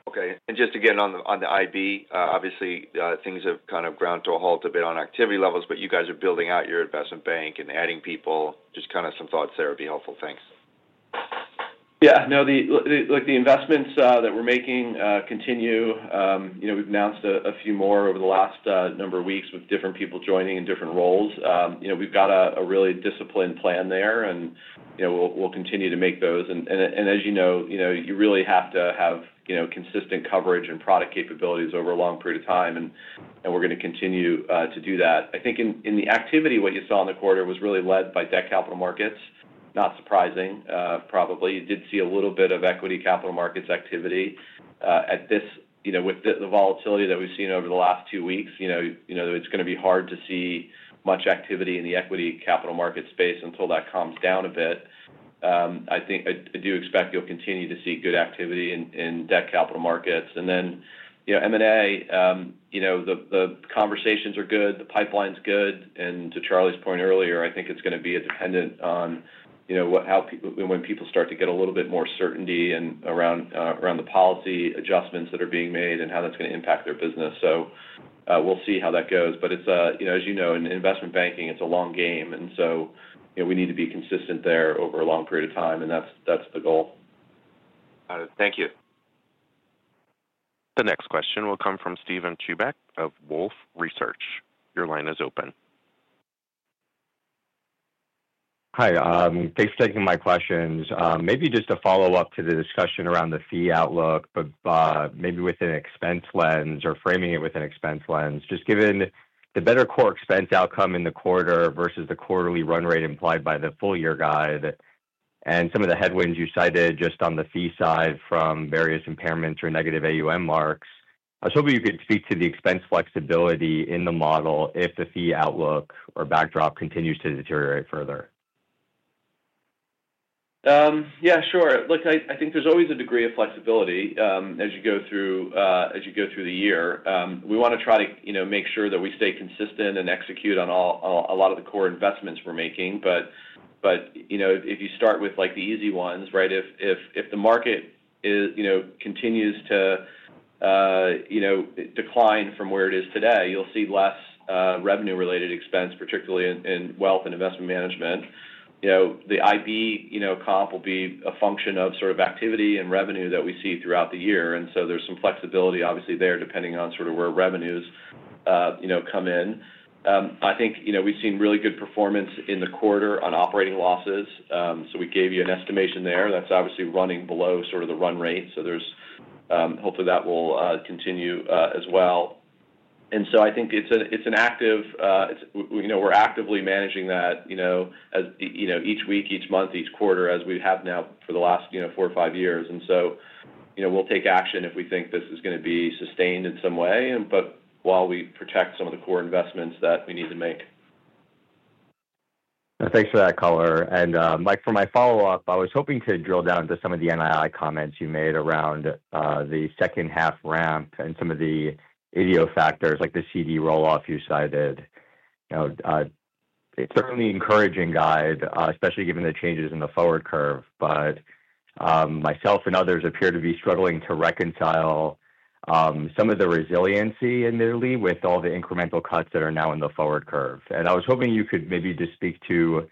Okay. Just again, on the IB, obviously, things have kind of ground to a halt a bit on activity levels, but you guys are building out your investment bank and adding people. Just kind of some thoughts there would be helpful. Thanks. Yeah. No, the investments that we're making continue. We've announced a few more over the last number of weeks with different people joining in different roles. We've got a really disciplined plan there, and we'll continue to make those. As you know, you really have to have consistent coverage and product capabilities over a long period of time. We're going to continue to do that. I think in the activity, what you saw in the quarter was really led by debt capital markets. Not surprising, probably. You did see a little bit of equity capital markets activity. At this, with the volatility that we've seen over the last two weeks, it's going to be hard to see much activity in the equity capital market space until that calms down a bit. I do expect you'll continue to see good activity in debt capital markets. M&A, the conversations are good. The pipeline's good. To Charlie's point earlier, I think it's going to be dependent on when people start to get a little bit more certainty around the policy adjustments that are being made and how that's going to impact their business. We'll see how that goes. As you know, in investment banking, it's a long game. We need to be consistent there over a long period of time, and that's the goal. Got it. Thank you. The next question will come from Steven Chubak of Wolfe Research. Your line is open. Hi. Thanks for taking my questions. Maybe just a follow-up to the discussion around the fee outlook, but maybe with an expense lens or framing it with an expense lens. Just given the better core expense outcome in the quarter versus the quarterly run rate implied by the full-year guide and some of the headwinds you cited just on the fee side from various impairments or negative AUM marks, I was hoping you could speak to the expense flexibility in the model if the fee outlook or backdrop continues to deteriorate further. Yeah. Sure. Look, I think there's always a degree of flexibility as you go through the year. We want to try to make sure that we stay consistent and execute on a lot of the core investments we're making. If you start with the easy ones, right, if the market continues to decline from where it is today, you'll see less revenue-related expense, particularly in wealth and investment management. The IB comp will be a function of sort of activity and revenue that we see throughout the year. There is some flexibility, obviously, there depending on sort of where revenues come in. I think we've seen really good performance in the quarter on operating losses. We gave you an estimation there. That's obviously running below sort of the run rate. Hopefully, that will continue as well. I think we're actively managing that each week, each month, each quarter as we have now for the last four or five years. We will take action if we think this is going to be sustained in some way, while we protect some of the core investments that we need to make. Thanks for that color. For my follow-up, I was hoping to drill down to some of the NII comments you made around the second-half ramp and some of the idiosyncratic factors like the CD rolloff you cited. It is certainly an encouraging guide, especially given the changes in the forward curve. Myself and others appear to be struggling to reconcile some of the resiliency in NII with all the incremental cuts that are now in the forward curve. I was hoping you could maybe just speak to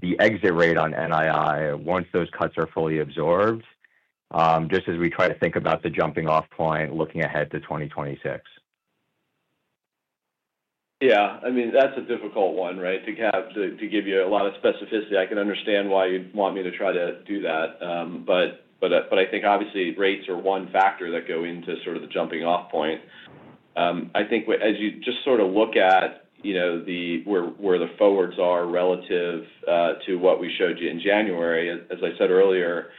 the exit rate on NII once those cuts are fully absorbed, just as we try to think about the jumping-off point, looking ahead to 2026. Yeah. I mean, that's a difficult one, right, to give you a lot of specificity. I can understand why you'd want me to try to do that. I think, obviously, rates are one factor that go into sort of the jumping-off point. I think as you just sort of look at where the forwards are relative to what we showed you in January, as I said earlier,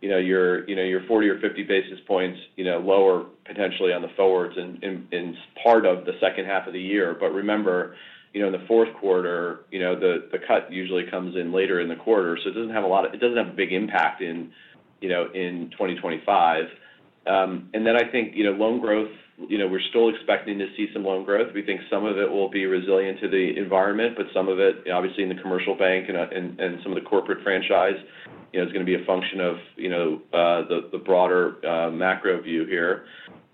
you're 40 or 50 basis points lower potentially on the forwards in part of the second half of the year. Remember, in the fourth quarter, the cut usually comes in later in the quarter. It does not have a lot of, it does not have a big impact in 2025. I think loan growth, we're still expecting to see some loan growth. We think some of it will be resilient to the environment, but some of it, obviously, in the commercial bank and some of the corporate franchise, is going to be a function of the broader macro view here.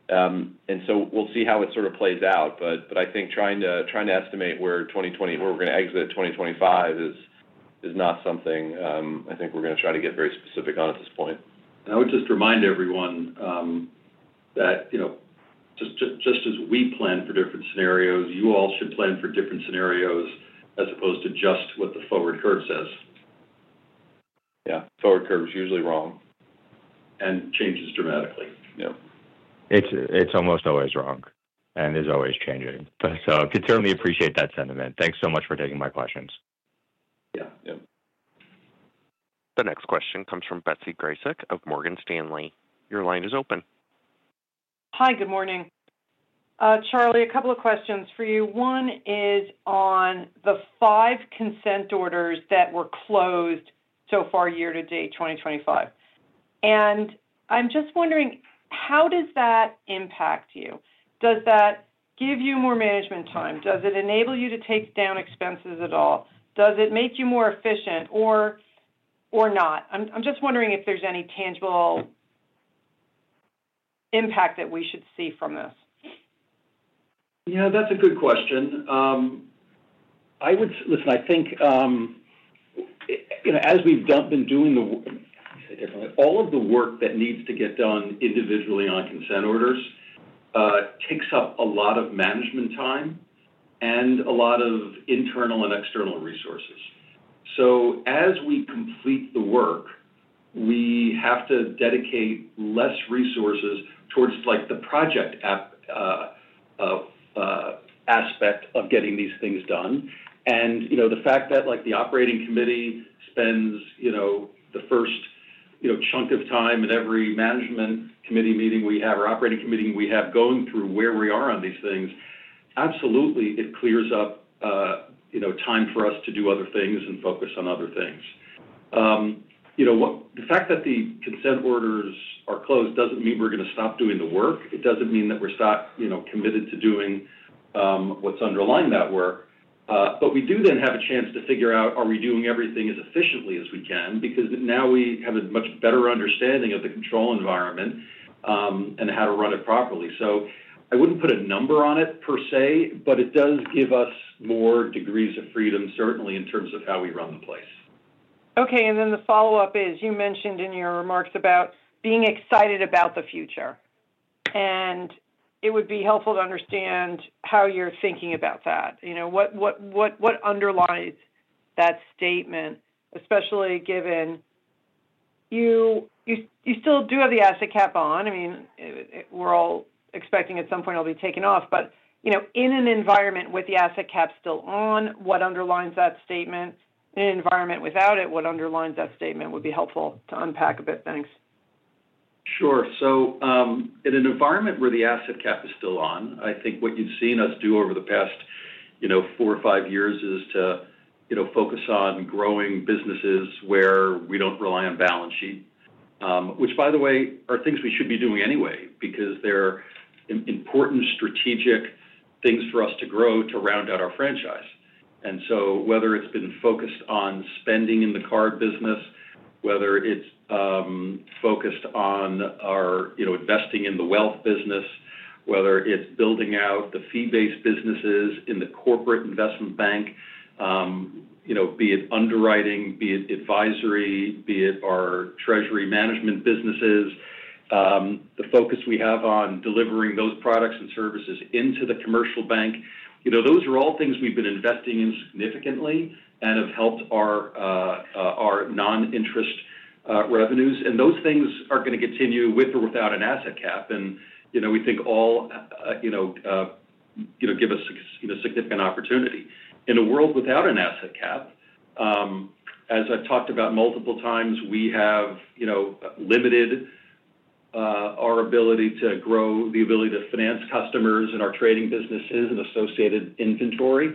We will see how it sort of plays out. I think trying to estimate where we are going to exit 2025 is not something I think we are going to try to get very specific on at this point. I would just remind everyone that just as we plan for different scenarios, you all should plan for different scenarios as opposed to just what the forward curve says. Yeah. Forward curve is usually wrong and changes dramatically. Yep. It is almost always wrong and is always changing. I can certainly appreciate that sentiment. Thanks so much for taking my questions. Yeah. Yep. The next question comes from Betsy Grasek of Morgan Stanley. Your line is open. Hi. Good morning. Charlie, a couple of questions for you. One is on the five consent orders that were closed so far year to date 2025. I'm just wondering, how does that impact you? Does that give you more management time? Does it enable you to take down expenses at all? Does it make you more efficient or not? I'm just wondering if there's any tangible impact that we should see from this. Yeah. That's a good question. Listen, I think as we've been doing the—how do you say it differently? All of the work that needs to get done individually on consent orders takes up a lot of management time and a lot of internal and external resources. As we complete the work, we have to dedicate less resources towards the project aspect of getting these things done. The fact that the operating committee spends the first chunk of time in every management committee meeting we have or operating committee we have going through where we are on these things, absolutely, it clears up time for us to do other things and focus on other things. The fact that the consent orders are closed doesn't mean we're going to stop doing the work. It doesn't mean that we're committed to doing what's underlying that work. We do then have a chance to figure out, are we doing everything as efficiently as we can? Because now we have a much better understanding of the control environment and how to run it properly. I wouldn't put a number on it per se, but it does give us more degrees of freedom, certainly, in terms of how we run the place. Okay. The follow-up is you mentioned in your remarks about being excited about the future. It would be helpful to understand how you're thinking about that. What underlies that statement, especially given you still do have the asset cap on? I mean, we're all expecting at some point it'll be taken off. In an environment with the asset cap still on, what underlines that statement? In an environment without it, what underlines that statement would be helpful to unpack a bit. Thanks. Sure. In an environment where the asset cap is still on, I think what you've seen us do over the past four or five years is to focus on growing businesses where we don't rely on balance sheet, which, by the way, are things we should be doing anyway because they're important strategic things for us to grow to round out our franchise. Whether it's been focused on spending in the card business, whether it's focused on our investing in the wealth business, whether it's building out the fee-based businesses in the corporate investment bank, be it underwriting, be it advisory, be it our treasury management businesses, the focus we have on delivering those products and services into the commercial bank, those are all things we've been investing in significantly and have helped our non-interest revenues. Those things are going to continue with or without an asset cap. We think all give us a significant opportunity. In a world without an asset cap, as I've talked about multiple times, we have limited our ability to grow the ability to finance customers and our trading businesses and associated inventory.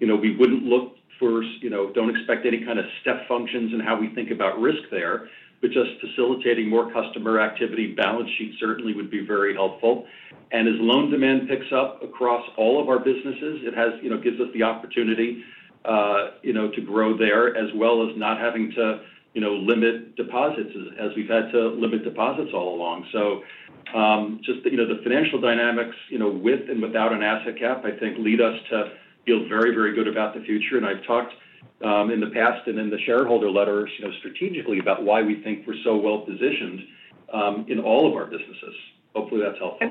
We would not look for—do not expect any kind of step functions in how we think about risk there, but just facilitating more customer activity, balance sheet certainly would be very helpful. As loan demand picks up across all of our businesses, it gives us the opportunity to grow there as well as not having to limit deposits as we have had to limit deposits all along. The financial dynamics with and without an asset cap, I think, lead us to feel very, very good about the future. I've talked in the past and in the shareholder letters strategically about why we think we're so well-positioned in all of our businesses. Hopefully, that's helpful.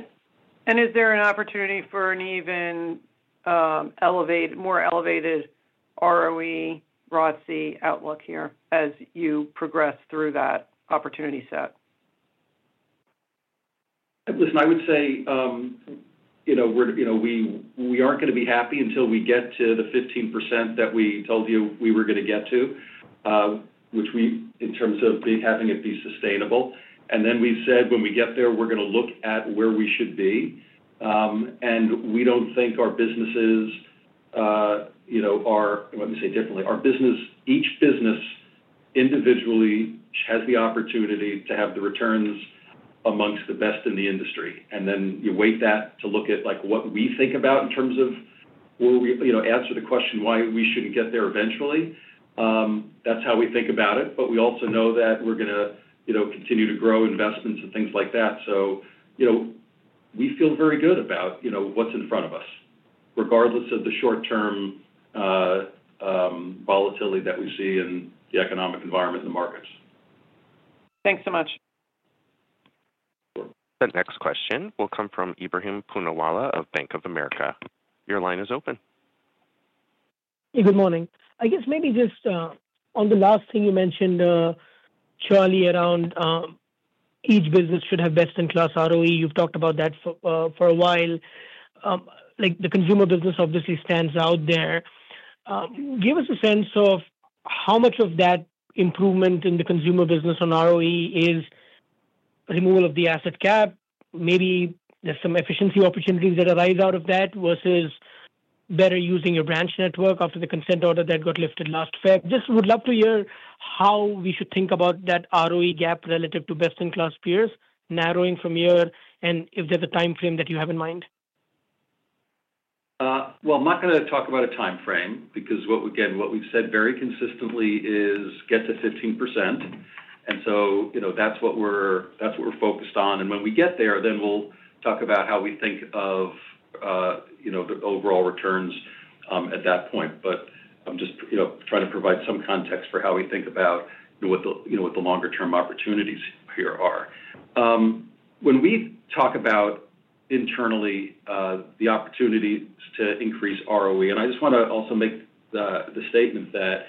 Is there an opportunity for an even more elevated ROE, ROTCE outlook here as you progress through that opportunity set? Listen, I would say we aren't going to be happy until we get to the 15% that we told you we were going to get to, which we—in terms of having it be sustainable. We said when we get there, we're going to look at where we should be. We don't think our businesses are—let me say it differently. Each business individually has the opportunity to have the returns amongst the best in the industry. You weight that to look at what we think about in terms of—answer the question why we shouldn't get there eventually. That's how we think about it. We also know that we're going to continue to grow investments and things like that. We feel very good about what's in front of us, regardless of the short-term volatility that we see in the economic environment and the markets. Thanks so much. The next question will come from Ebrahim Poonawalla of Bank of America. Your line is open. Good morning. I guess maybe just on the last thing you mentioned, Charlie, around each business should have best-in-class ROE. You've talked about that for a while. The consumer business obviously stands out there. Give us a sense of how much of that improvement in the consumer business on ROE is removal of the asset cap. Maybe there's some efficiency opportunities that arise out of that versus better using your branch network after the consent order that got lifted last February. Just would love to hear how we should think about that ROE gap relative to best-in-class peers, narrowing from here, and if there's a timeframe that you have in mind. I'm not going to talk about a timeframe because, again, what we've said very consistently is get to 15%. That's what we're focused on. When we get there, then we'll talk about how we think of the overall returns at that point. I'm just trying to provide some context for how we think about what the longer-term opportunities here are. When we talk about internally the opportunities to increase ROE, I just want to also make the statement that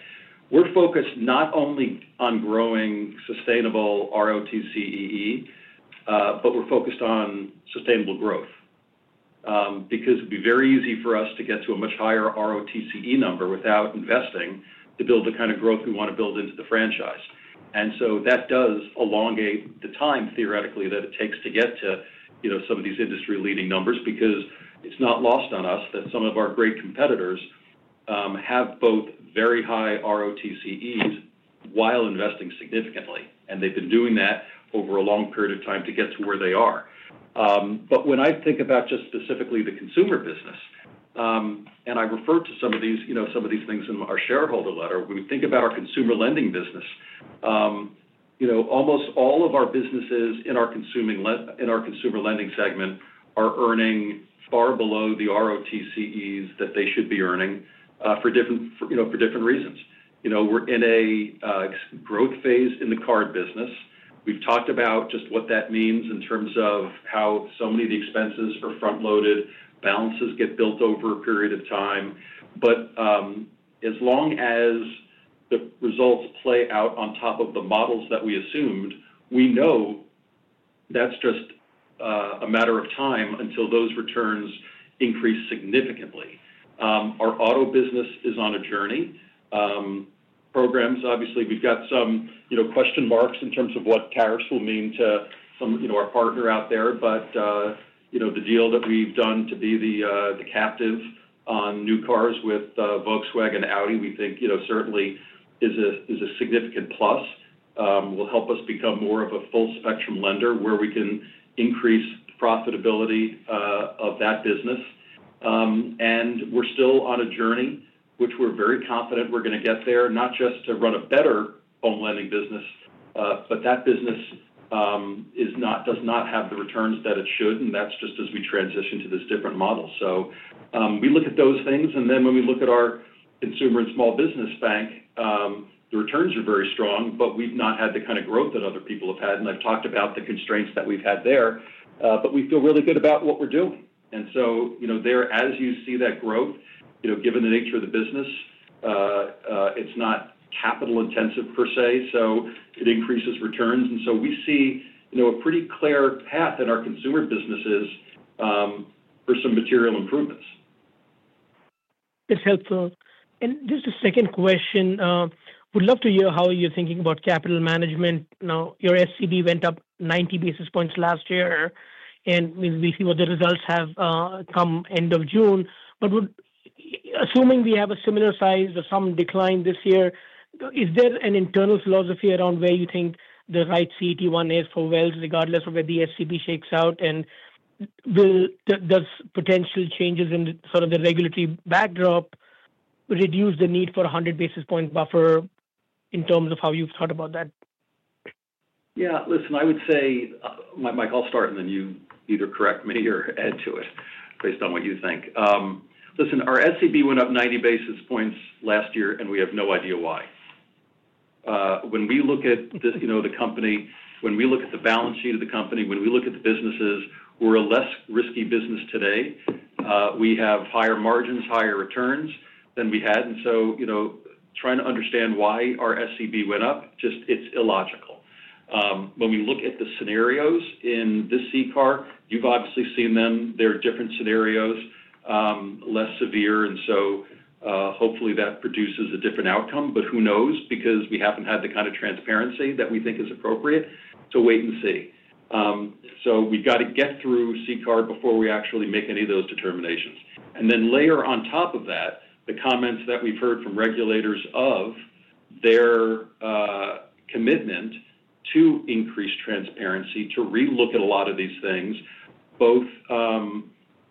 we're focused not only on growing sustainable ROTCE, but we're focused on sustainable growth because it'd be very easy for us to get to a much higher ROTCE number without investing to build the kind of growth we want to build into the franchise. That does elongate the time theoretically that it takes to get to some of these industry-leading numbers because it's not lost on us that some of our great competitors have both very high ROTCEs while investing significantly. They've been doing that over a long period of time to get to where they are. When I think about just specifically the consumer business, and I refer to some of these things in our shareholder letter, when we think about our consumer lending business, almost all of our businesses in our consumer lending segment are earning far below the ROTCEs that they should be earning for different reasons. We're in a growth phase in the card business. We've talked about just what that means in terms of how so many of the expenses are front-loaded, balances get built over a period of time. As long as the results play out on top of the models that we assumed, we know that's just a matter of time until those returns increase significantly. Our auto business is on a journey. Programs, obviously, we've got some question marks in terms of what tariffs will mean to some of our partners out there. The deal that we've done to be the captive on new cars with Volkswagen and Audi, we think certainly is a significant plus. It will help us become more of a full-spectrum lender where we can increase the profitability of that business. We are still on a journey, which we are very confident we are going to get there, not just to run a better Home Lending business, but that business does not have the returns that it should. That is just as we transition to this different model. We look at those things. When we look at our consumer and small business bank, the returns are very strong, but we have not had the kind of growth that other people have had. I have talked about the constraints that we have had there, but we feel really good about what we are doing. There, as you see that growth, given the nature of the business, it's not capital-intensive per se, so it increases returns. We see a pretty clear path in our consumer businesses for some material improvements. That's helpful. Just a second question. Would love to hear how you're thinking about capital management. Now, your SCB went up 90 basis points last year, and we'll see what the results have come end of June. Assuming we have a similar size or some decline this year, is there an internal philosophy around where you think the right CET1 is for Wells, regardless of where the SCB shakes out? Does potential changes in sort of the regulatory backdrop reduce the need for a 100 basis point buffer in terms of how you've thought about that? Yeah. Listen, I would say, Mike, I'll start, and then you either correct me or add to it based on what you think. Listen, our SCB went up 90 basis points last year, and we have no idea why. When we look at the company, when we look at the balance sheet of the company, when we look at the businesses, we're a less risky business today. We have higher margins, higher returns than we had. Trying to understand why our SCB went up, just it's illogical. When we look at the scenarios in this CCAR, you've obviously seen them. They're different scenarios, less severe. Hopefully that produces a different outcome. Who knows? We haven't had the kind of transparency that we think is appropriate to wait and see. We've got to get through CCAR before we actually make any of those determinations. Layer on top of that, the comments that we've heard from regulators of their commitment to increase transparency, to relook at a lot of these things, both from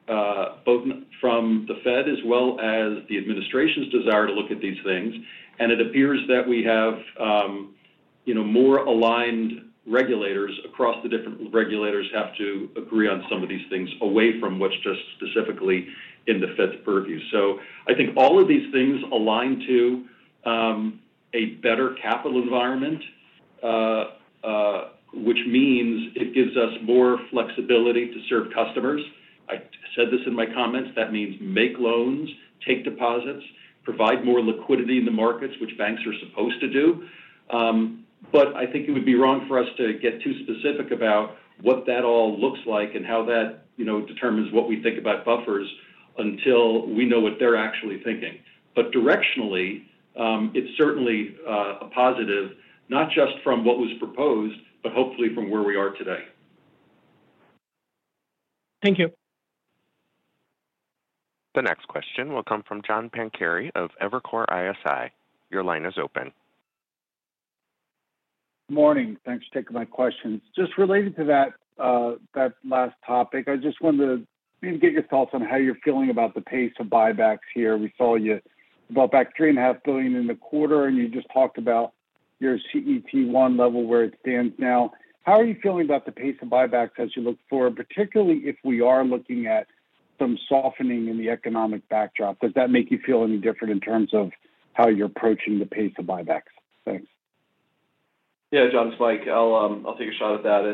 the Fed as well as the administration's desire to look at these things. It appears that we have more aligned regulators across the different. Regulators have to agree on some of these things away from what's just specifically in the Fed's purview. I think all of these things align to a better capital environment, which means it gives us more flexibility to serve customers. I said this in my comments. That means make loans, take deposits, provide more liquidity in the markets, which banks are supposed to do. I think it would be wrong for us to get too specific about what that all looks like and how that determines what we think about buffers until we know what they're actually thinking. Directionally, it's certainly a positive, not just from what was proposed, but hopefully from where we are today. Thank you. The next question will come from John Pancari of Evercore ISI. Your line is open. Good morning. Thanks for taking my questions. Just related to that last topic, I just wanted to maybe get your thoughts on how you're feeling about the pace of buybacks here. We saw you bought back $3.5 billion in the quarter, and you just talked about your CET1 level where it stands now. How are you feeling about the pace of buybacks as you look forward, particularly if we are looking at some softening in the economic backdrop? Does that make you feel any different in terms of how you're approaching the pace of buybacks? Thanks. Yeah, John, it's Mike. I'll take a shot at that.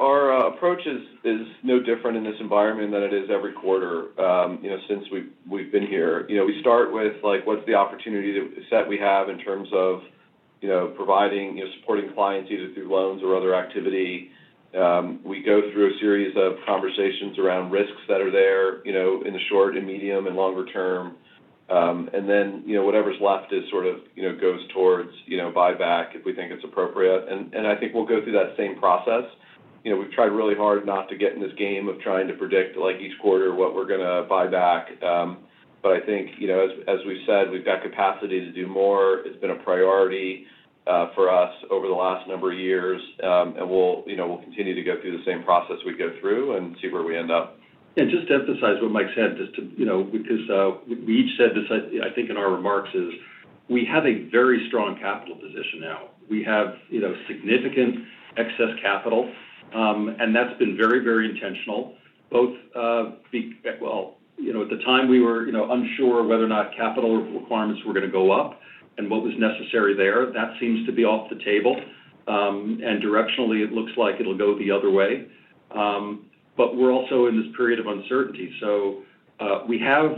Our approach is no different in this environment than it is every quarter since we've been here. We start with what's the opportunity set we have in terms of providing supporting clients either through loans or other activity. We go through a series of conversations around risks that are there in the short, medium, and longer term. Whatever's left sort of goes towards buyback if we think it's appropriate. I think we'll go through that same process. We've tried really hard not to get in this game of trying to predict each quarter what we're going to buy back. I think, as we've said, we've got capacity to do more. It's been a priority for us over the last number of years. We will continue to go through the same process we go through and see where we end up. Just to emphasize what Mike said, just because we each said, I think, in our remarks is we have a very strong capital position now. We have significant excess capital, and that's been very, very intentional. At the time, we were unsure whether or not capital requirements were going to go up and what was necessary there. That seems to be off the table. Directionally, it looks like it will go the other way. We are also in this period of uncertainty. We have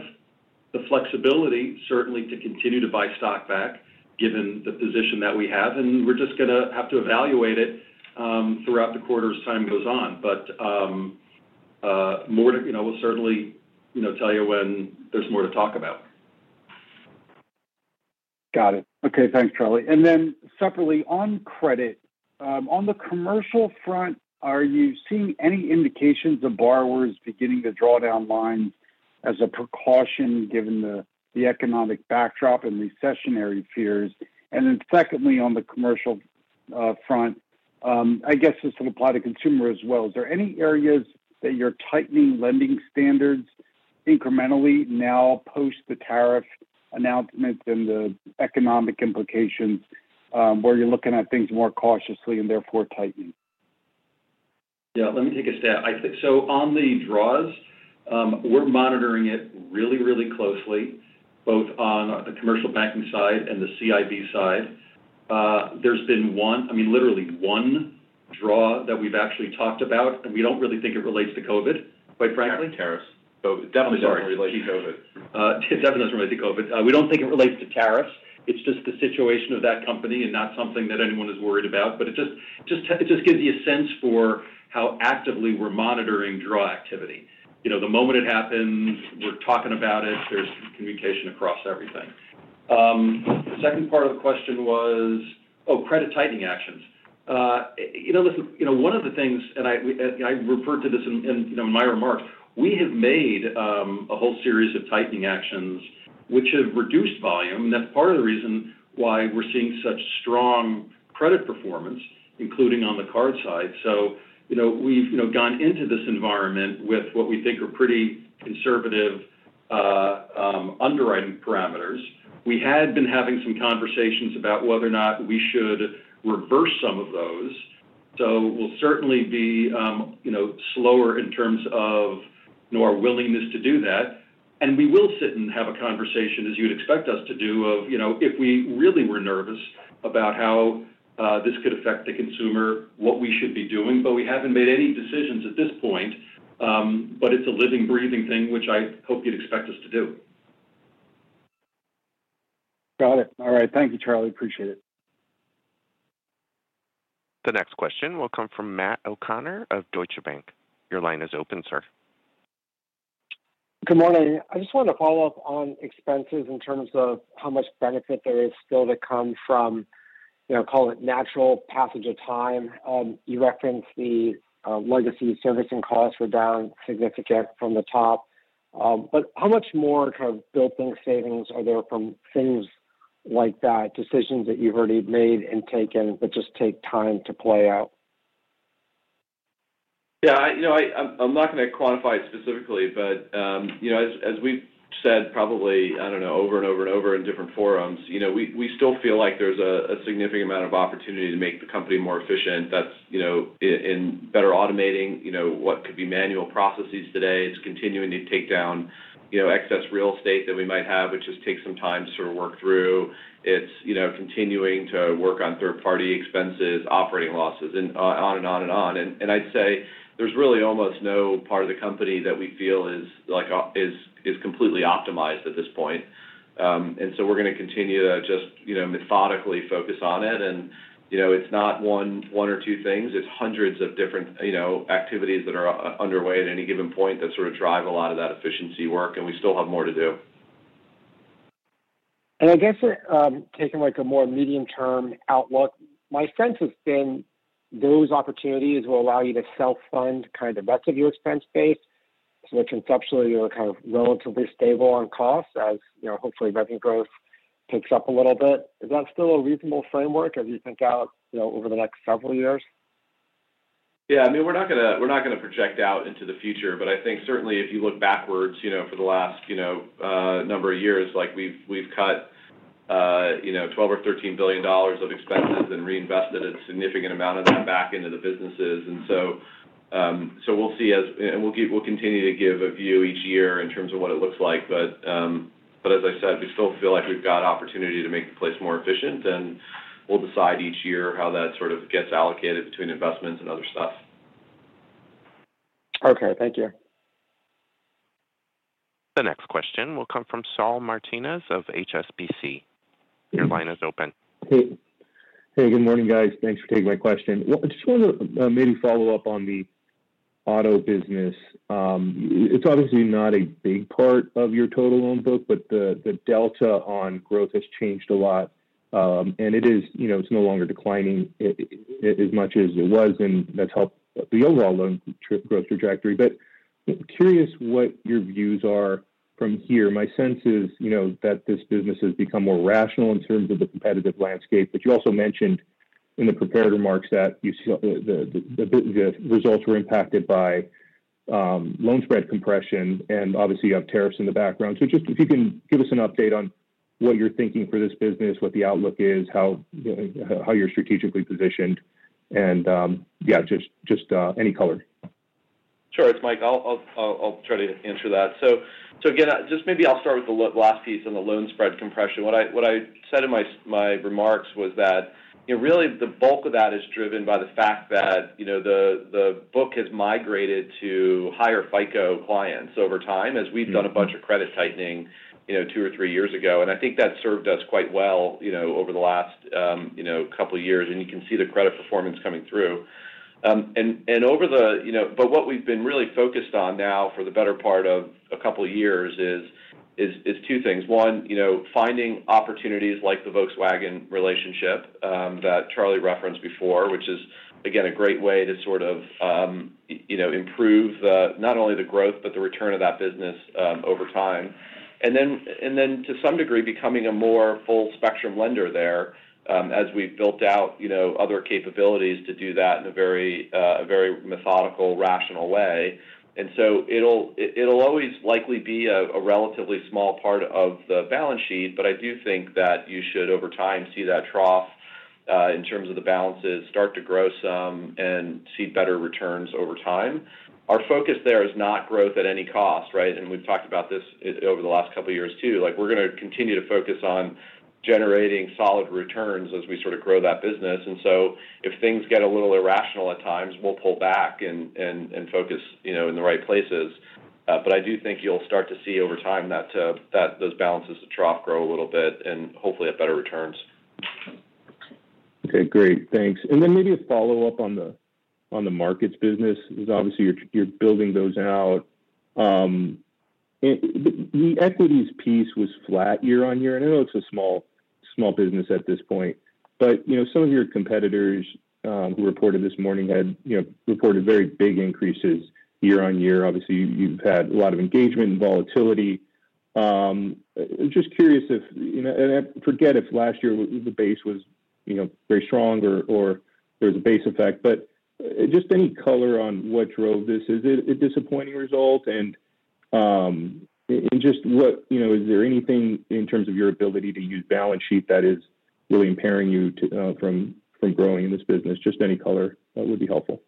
the flexibility, certainly, to continue to buy stock back given the position that we have. We are just going to have to evaluate it throughout the quarter as time goes on. We'll certainly tell you when there's more to talk about. Got it. Okay. Thanks, Charlie. Separately, on credit, on the commercial front, are you seeing any indications of borrowers beginning to draw down lines as a precaution given the economic backdrop and recessionary fears? Secondly, on the commercial front, I guess this would apply to consumer as well. Is there any areas that you're tightening lending standards incrementally now post the tariff announcements and the economic implications where you're looking at things more cautiously and therefore tightening? Yeah. Let me take a stab. On the draws, we're monitoring it really, really closely, both on the commercial banking side and the CIB side. There's been one, I mean, literally one draw that we've actually talked about. We don't really think it relates to COVID, quite frankly. Not even tariffs. Definitely doesn't relate to COVID. Definitely doesn't relate to COVID. We don't think it relates to tariffs. It's just the situation of that company and not something that anyone is worried about. It just gives you a sense for how actively we're monitoring draw activity. The moment it happens, we're talking about it. There's communication across everything. The second part of the question was, oh, credit tightening actions. Listen, one of the things, and I referred to this in my remarks, we have made a whole series of tightening actions which have reduced volume. That's part of the reason why we're seeing such strong credit performance, including on the card side. We've gone into this environment with what we think are pretty conservative underwriting parameters. We had been having some conversations about whether or not we should reverse some of those. We'll certainly be slower in terms of our willingness to do that. We will sit and have a conversation, as you'd expect us to do, of if we really were nervous about how this could affect the consumer, what we should be doing. We haven't made any decisions at this point. It's a living, breathing thing, which I hope you'd expect us to do. Got it. All right. Thank you, Charlie. Appreciate it. The next question will come from Matt O'Connor of Deutsche Bank. Your line is open, sir. Good morning. I just wanted to follow up on expenses in terms of how much benefit there is still to come from, call it, natural passage of time. You referenced the legacy servicing costs were down significant from the top. How much more kind of built-in savings are there from things like that, decisions that you've already made and taken that just take time to play out? Yeah. I'm not going to quantify it specifically. As we've said, probably, I don't know, over and over and over in different forums, we still feel like there's a significant amount of opportunity to make the company more efficient. That's in better automating what could be manual processes today. It's continuing to take down excess real estate that we might have, which just takes some time to sort of work through. It's continuing to work on third-party expenses, operating losses, and on and on and on. I'd say there's really almost no part of the company that we feel is completely optimized at this point. We're going to continue to just methodically focus on it. It's not one or two things. It's hundreds of different activities that are underway at any given point that sort of drive a lot of that efficiency work. We still have more to do. I guess taking a more medium-term outlook, my sense has been those opportunities will allow you to self-fund kind of the rest of your expense base. Conceptually, you're kind of relatively stable on costs as hopefully revenue growth picks up a little bit. Is that still a reasonable framework as you think out over the next several years? Yeah. I mean, we're not going to project out into the future. I think certainly if you look backwards for the last number of years, we've cut $12 billion or $13 billion of expenses and reinvested a significant amount of that back into the businesses. We'll see. We will continue to give a view each year in terms of what it looks like. As I said, we still feel like we have got opportunity to make the place more efficient. We will decide each year how that sort of gets allocated between investments and other stuff. Thank you. The next question will come from Saul Martinez of HSBC. Your line is open. Hey. Good morning, guys. Thanks for taking my question. I just wanted to maybe follow up on the Auto business. It is obviously not a big part of your total loan book, but the delta on growth has changed a lot. It is no longer declining as much as it was, and that has helped the overall loan growth trajectory. Curious what your views are from here. My sense is that this business has become more rational in terms of the competitive landscape. You also mentioned in the prepared remarks that the results were impacted by loan spread compression. Obviously, you have tariffs in the background. If you can give us an update on what you're thinking for this business, what the outlook is, how you're strategically positioned, and just any color. Sure. It's Mike. I'll try to answer that. Just maybe I'll start with the last piece on the loan spread compression. What I said in my remarks was that really the bulk of that is driven by the fact that the book has migrated to higher FICO clients over time as we've done a bunch of credit tightening two or three years ago. I think that served us quite well over the last couple of years. You can see the credit performance coming through. What we've been really focused on now for the better part of a couple of years is two things. One, finding opportunities like the Volkswagen relationship that Charlie referenced before, which is, again, a great way to sort of improve not only the growth but the return of that business over time. To some degree, becoming a more full-spectrum lender there as we've built out other capabilities to do that in a very methodical, rational way. It will always likely be a relatively small part of the balance sheet. I do think that you should, over time, see that trough in terms of the balances start to grow some and see better returns over time. Our focus there is not growth at any cost, right? We've talked about this over the last couple of years too. We're going to continue to focus on generating solid returns as we sort of grow that business. If things get a little irrational at times, we'll pull back and focus in the right places. I do think you'll start to see over time that those balances of trough grow a little bit and hopefully at better returns. Okay. Great. Thanks. Maybe a follow-up on the markets business. Obviously, you're building those out. The equities piece was flat year on year. I know it's a small business at this point. Some of your competitors who reported this morning had reported very big increases year on year. Obviously, you've had a lot of engagement and volatility. I'm just curious if, and I forget if last year the base was very strong or there was a base effect. Just any color on what drove this. Is it a disappointing result? Is there anything in terms of your ability to use balance sheet that is really impairing you from growing in this business? Any color would be helpful.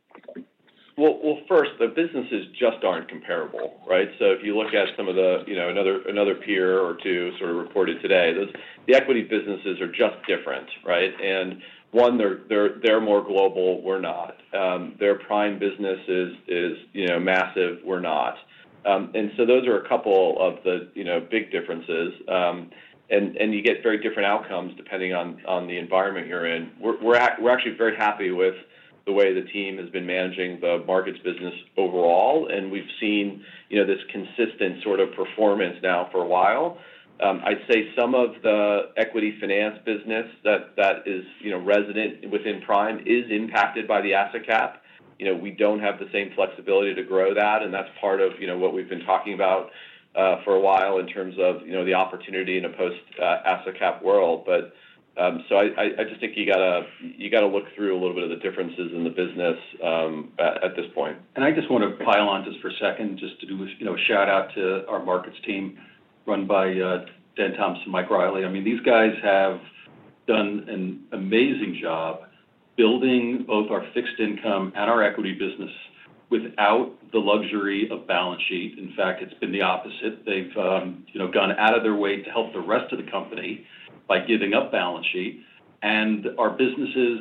First, the businesses just are not comparable, right? If you look at some of another peer or two sort of reported today, the equity businesses are just different, right? One, they are more global. We are not. Their Prime business is massive. We are not. Those are a couple of the big differences. You get very different outcomes depending on the environment you are in. We are actually very happy with the way the team has been managing the markets business overall. We have seen this consistent sort of performance now for a while. I would say some of the equity finance business that is resident within Prime is impacted by the asset cap. We do not have the same flexibility to grow that. That is part of what we have been talking about for a while in terms of the opportunity in a post-asset cap world. I just think you have to look through a little bit of the differences in the business at this point. I just want to pile on for a second, just to do a shout-out to our markets team run by Dan Thomas and Mike Riley. I mean, these guys have done an amazing job building both our fixed income and our equity business without the luxury of balance sheet. In fact, it has been the opposite. They have gone out of their way to help the rest of the company by giving up balance sheet. Our businesses,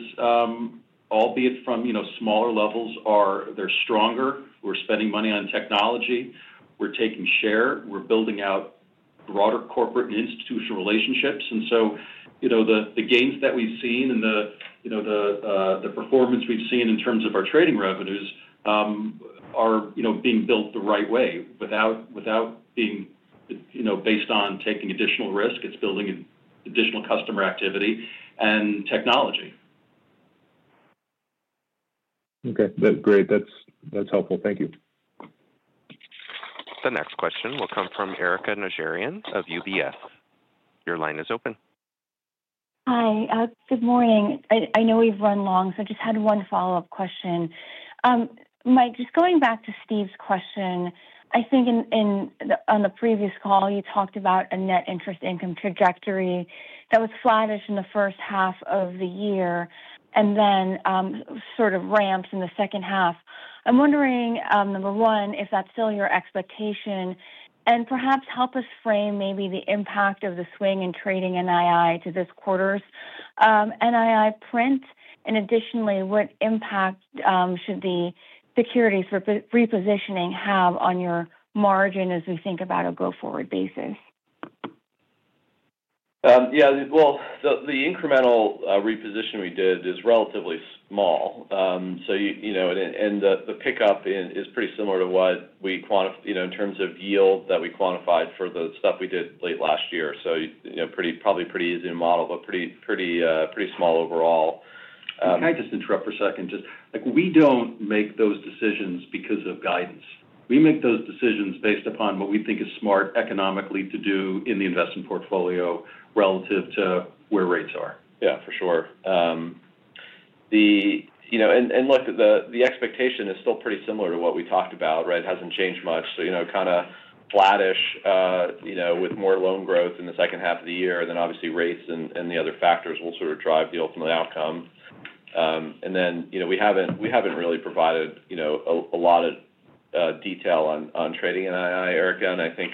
albeit from smaller levels, are stronger. We are spending money on technology. We are taking share. We're building out broader corporate and institutional relationships. The gains that we've seen and the performance we've seen in terms of our trading revenues are being built the right way without being based on taking additional risk. It's building additional customer activity and technology. Okay. Great. That's helpful. Thank you. The next question will come from Erika Najarian of UBS. Your line is open. Hi. Good morning. I know we've run long, so I just had one follow-up question. Mike, just going back to Steve's question, I think on the previous call, you talked about a net interest income trajectory that was flattish in the first half of the year and then sort of ramped in the second half. I'm wondering, number one, if that's still your expectation, and perhaps help us frame maybe the impact of the swing in trading NII to this quarter's NII print. Additionally, what impact should the securities repositioning have on your margin as we think about a go-forward basis? Yeah. The incremental reposition we did is relatively small. The pickup is pretty similar to what we, in terms of yield, quantified for the stuff we did late last year. Probably pretty easy to model, but pretty small overall. Can I just interrupt for a second? We do not make those decisions because of guidance. We make those decisions based upon what we think is smart economically to do in the investment portfolio relative to where rates are. Yeah, for sure. The expectation is still pretty similar to what we talked about, right? It has not changed much. Kind of flattish with more loan growth in the second half of the year. Rates and the other factors will sort of drive the ultimate outcome. We have not really provided a lot of detail on trading NII, Erika. I think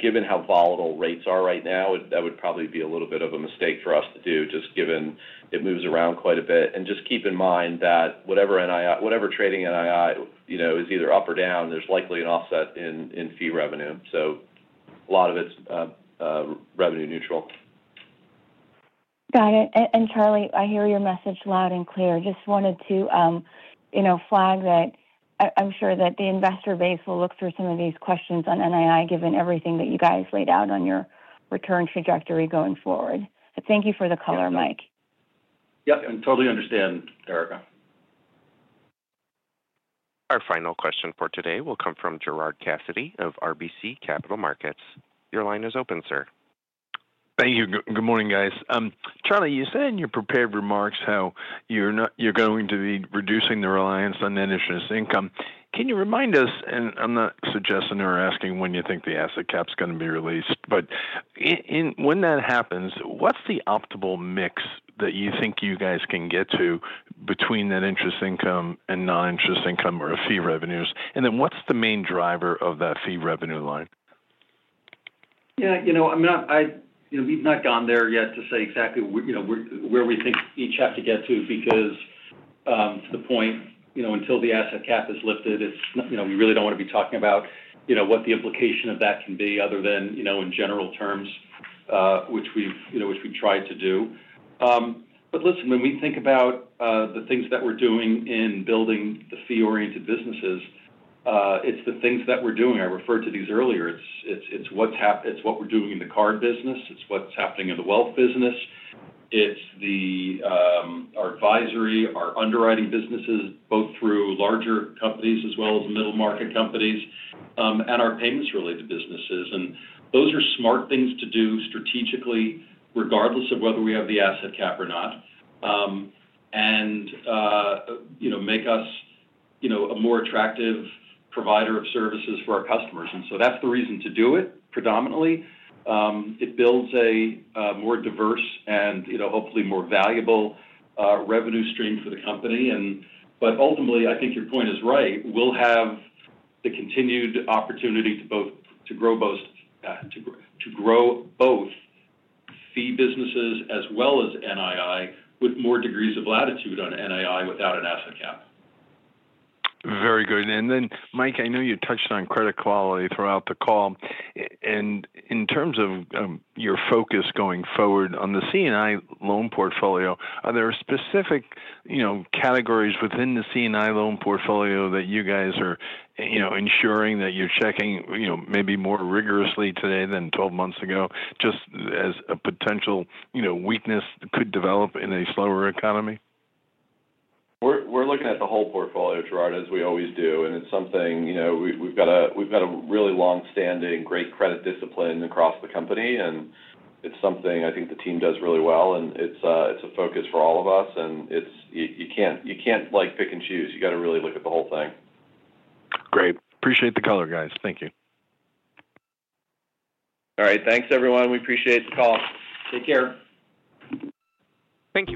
given how volatile rates are right now, that would probably be a little bit of a mistake for us to do just given it moves around quite a bit. Just keep in mind that whatever trading NII is, either up or down, there is likely an offset in fee revenue. A lot of it is revenue neutral. Got it. Charlie, I hear your message loud and clear. Just wanted to flag that I am sure that the investor base will look through some of these questions on NII given everything that you guys laid out on your return trajectory going forward. Thank you for the color, Mike. Yep. Totally understand, Erika. Our final question for today will come from Gerard Cassidy of RBC Capital Markets. Your line is open, sir. Thank you. Good morning, guys. Charlie, you said in your prepared remarks how you're going to be reducing the reliance on net interest income. Can you remind us, and I'm not suggesting or asking when you think the asset cap's going to be released, but when that happens, what's the optimal mix that you think you guys can get to between net interest income and non-interest income or fee revenues? What's the main driver of that fee revenue line? Yeah. I mean, we've not gone there yet to say exactly where we think each have to get to because to the point until the asset cap is lifted, we really don't want to be talking about what the implication of that can be other than in general terms, which we've tried to do. Listen, when we think about the things that we're doing in building the fee-oriented businesses, it's the things that we're doing. I referred to these earlier. It's what we're doing in the card business. It's what's happening in the wealth business. It's our advisory, our underwriting businesses, both through larger companies as well as the middle market companies, and our payments-related businesses. Those are smart things to do strategically, regardless of whether we have the asset cap or not, and make us a more attractive provider of services for our customers. That is the reason to do it predominantly. It builds a more diverse and hopefully more valuable revenue stream for the company. Ultimately, I think your point is right. We will have the continued opportunity to grow both fee businesses as well as NII with more degrees of latitude on NII without an asset cap. Very good. Mike, I know you touched on credit quality throughout the call. In terms of your focus going forward on the C&I loan portfolio, are there specific categories within the C&I loan portfolio that you guys are ensuring that you are checking maybe more rigorously today than 12 months ago just as a potential weakness could develop in a slower economy? We are looking at the whole portfolio, Gerard, as we always do. It is something we have a really long-standing great credit discipline across the company. It is something I think the team does really well. It is a focus for all of us. You cannot pick and choose. You have to really look at the whole thing. Great. Appreciate the color, guys. Thank you. All right. Thanks, everyone. We appreciate the call. Take care. Thank you.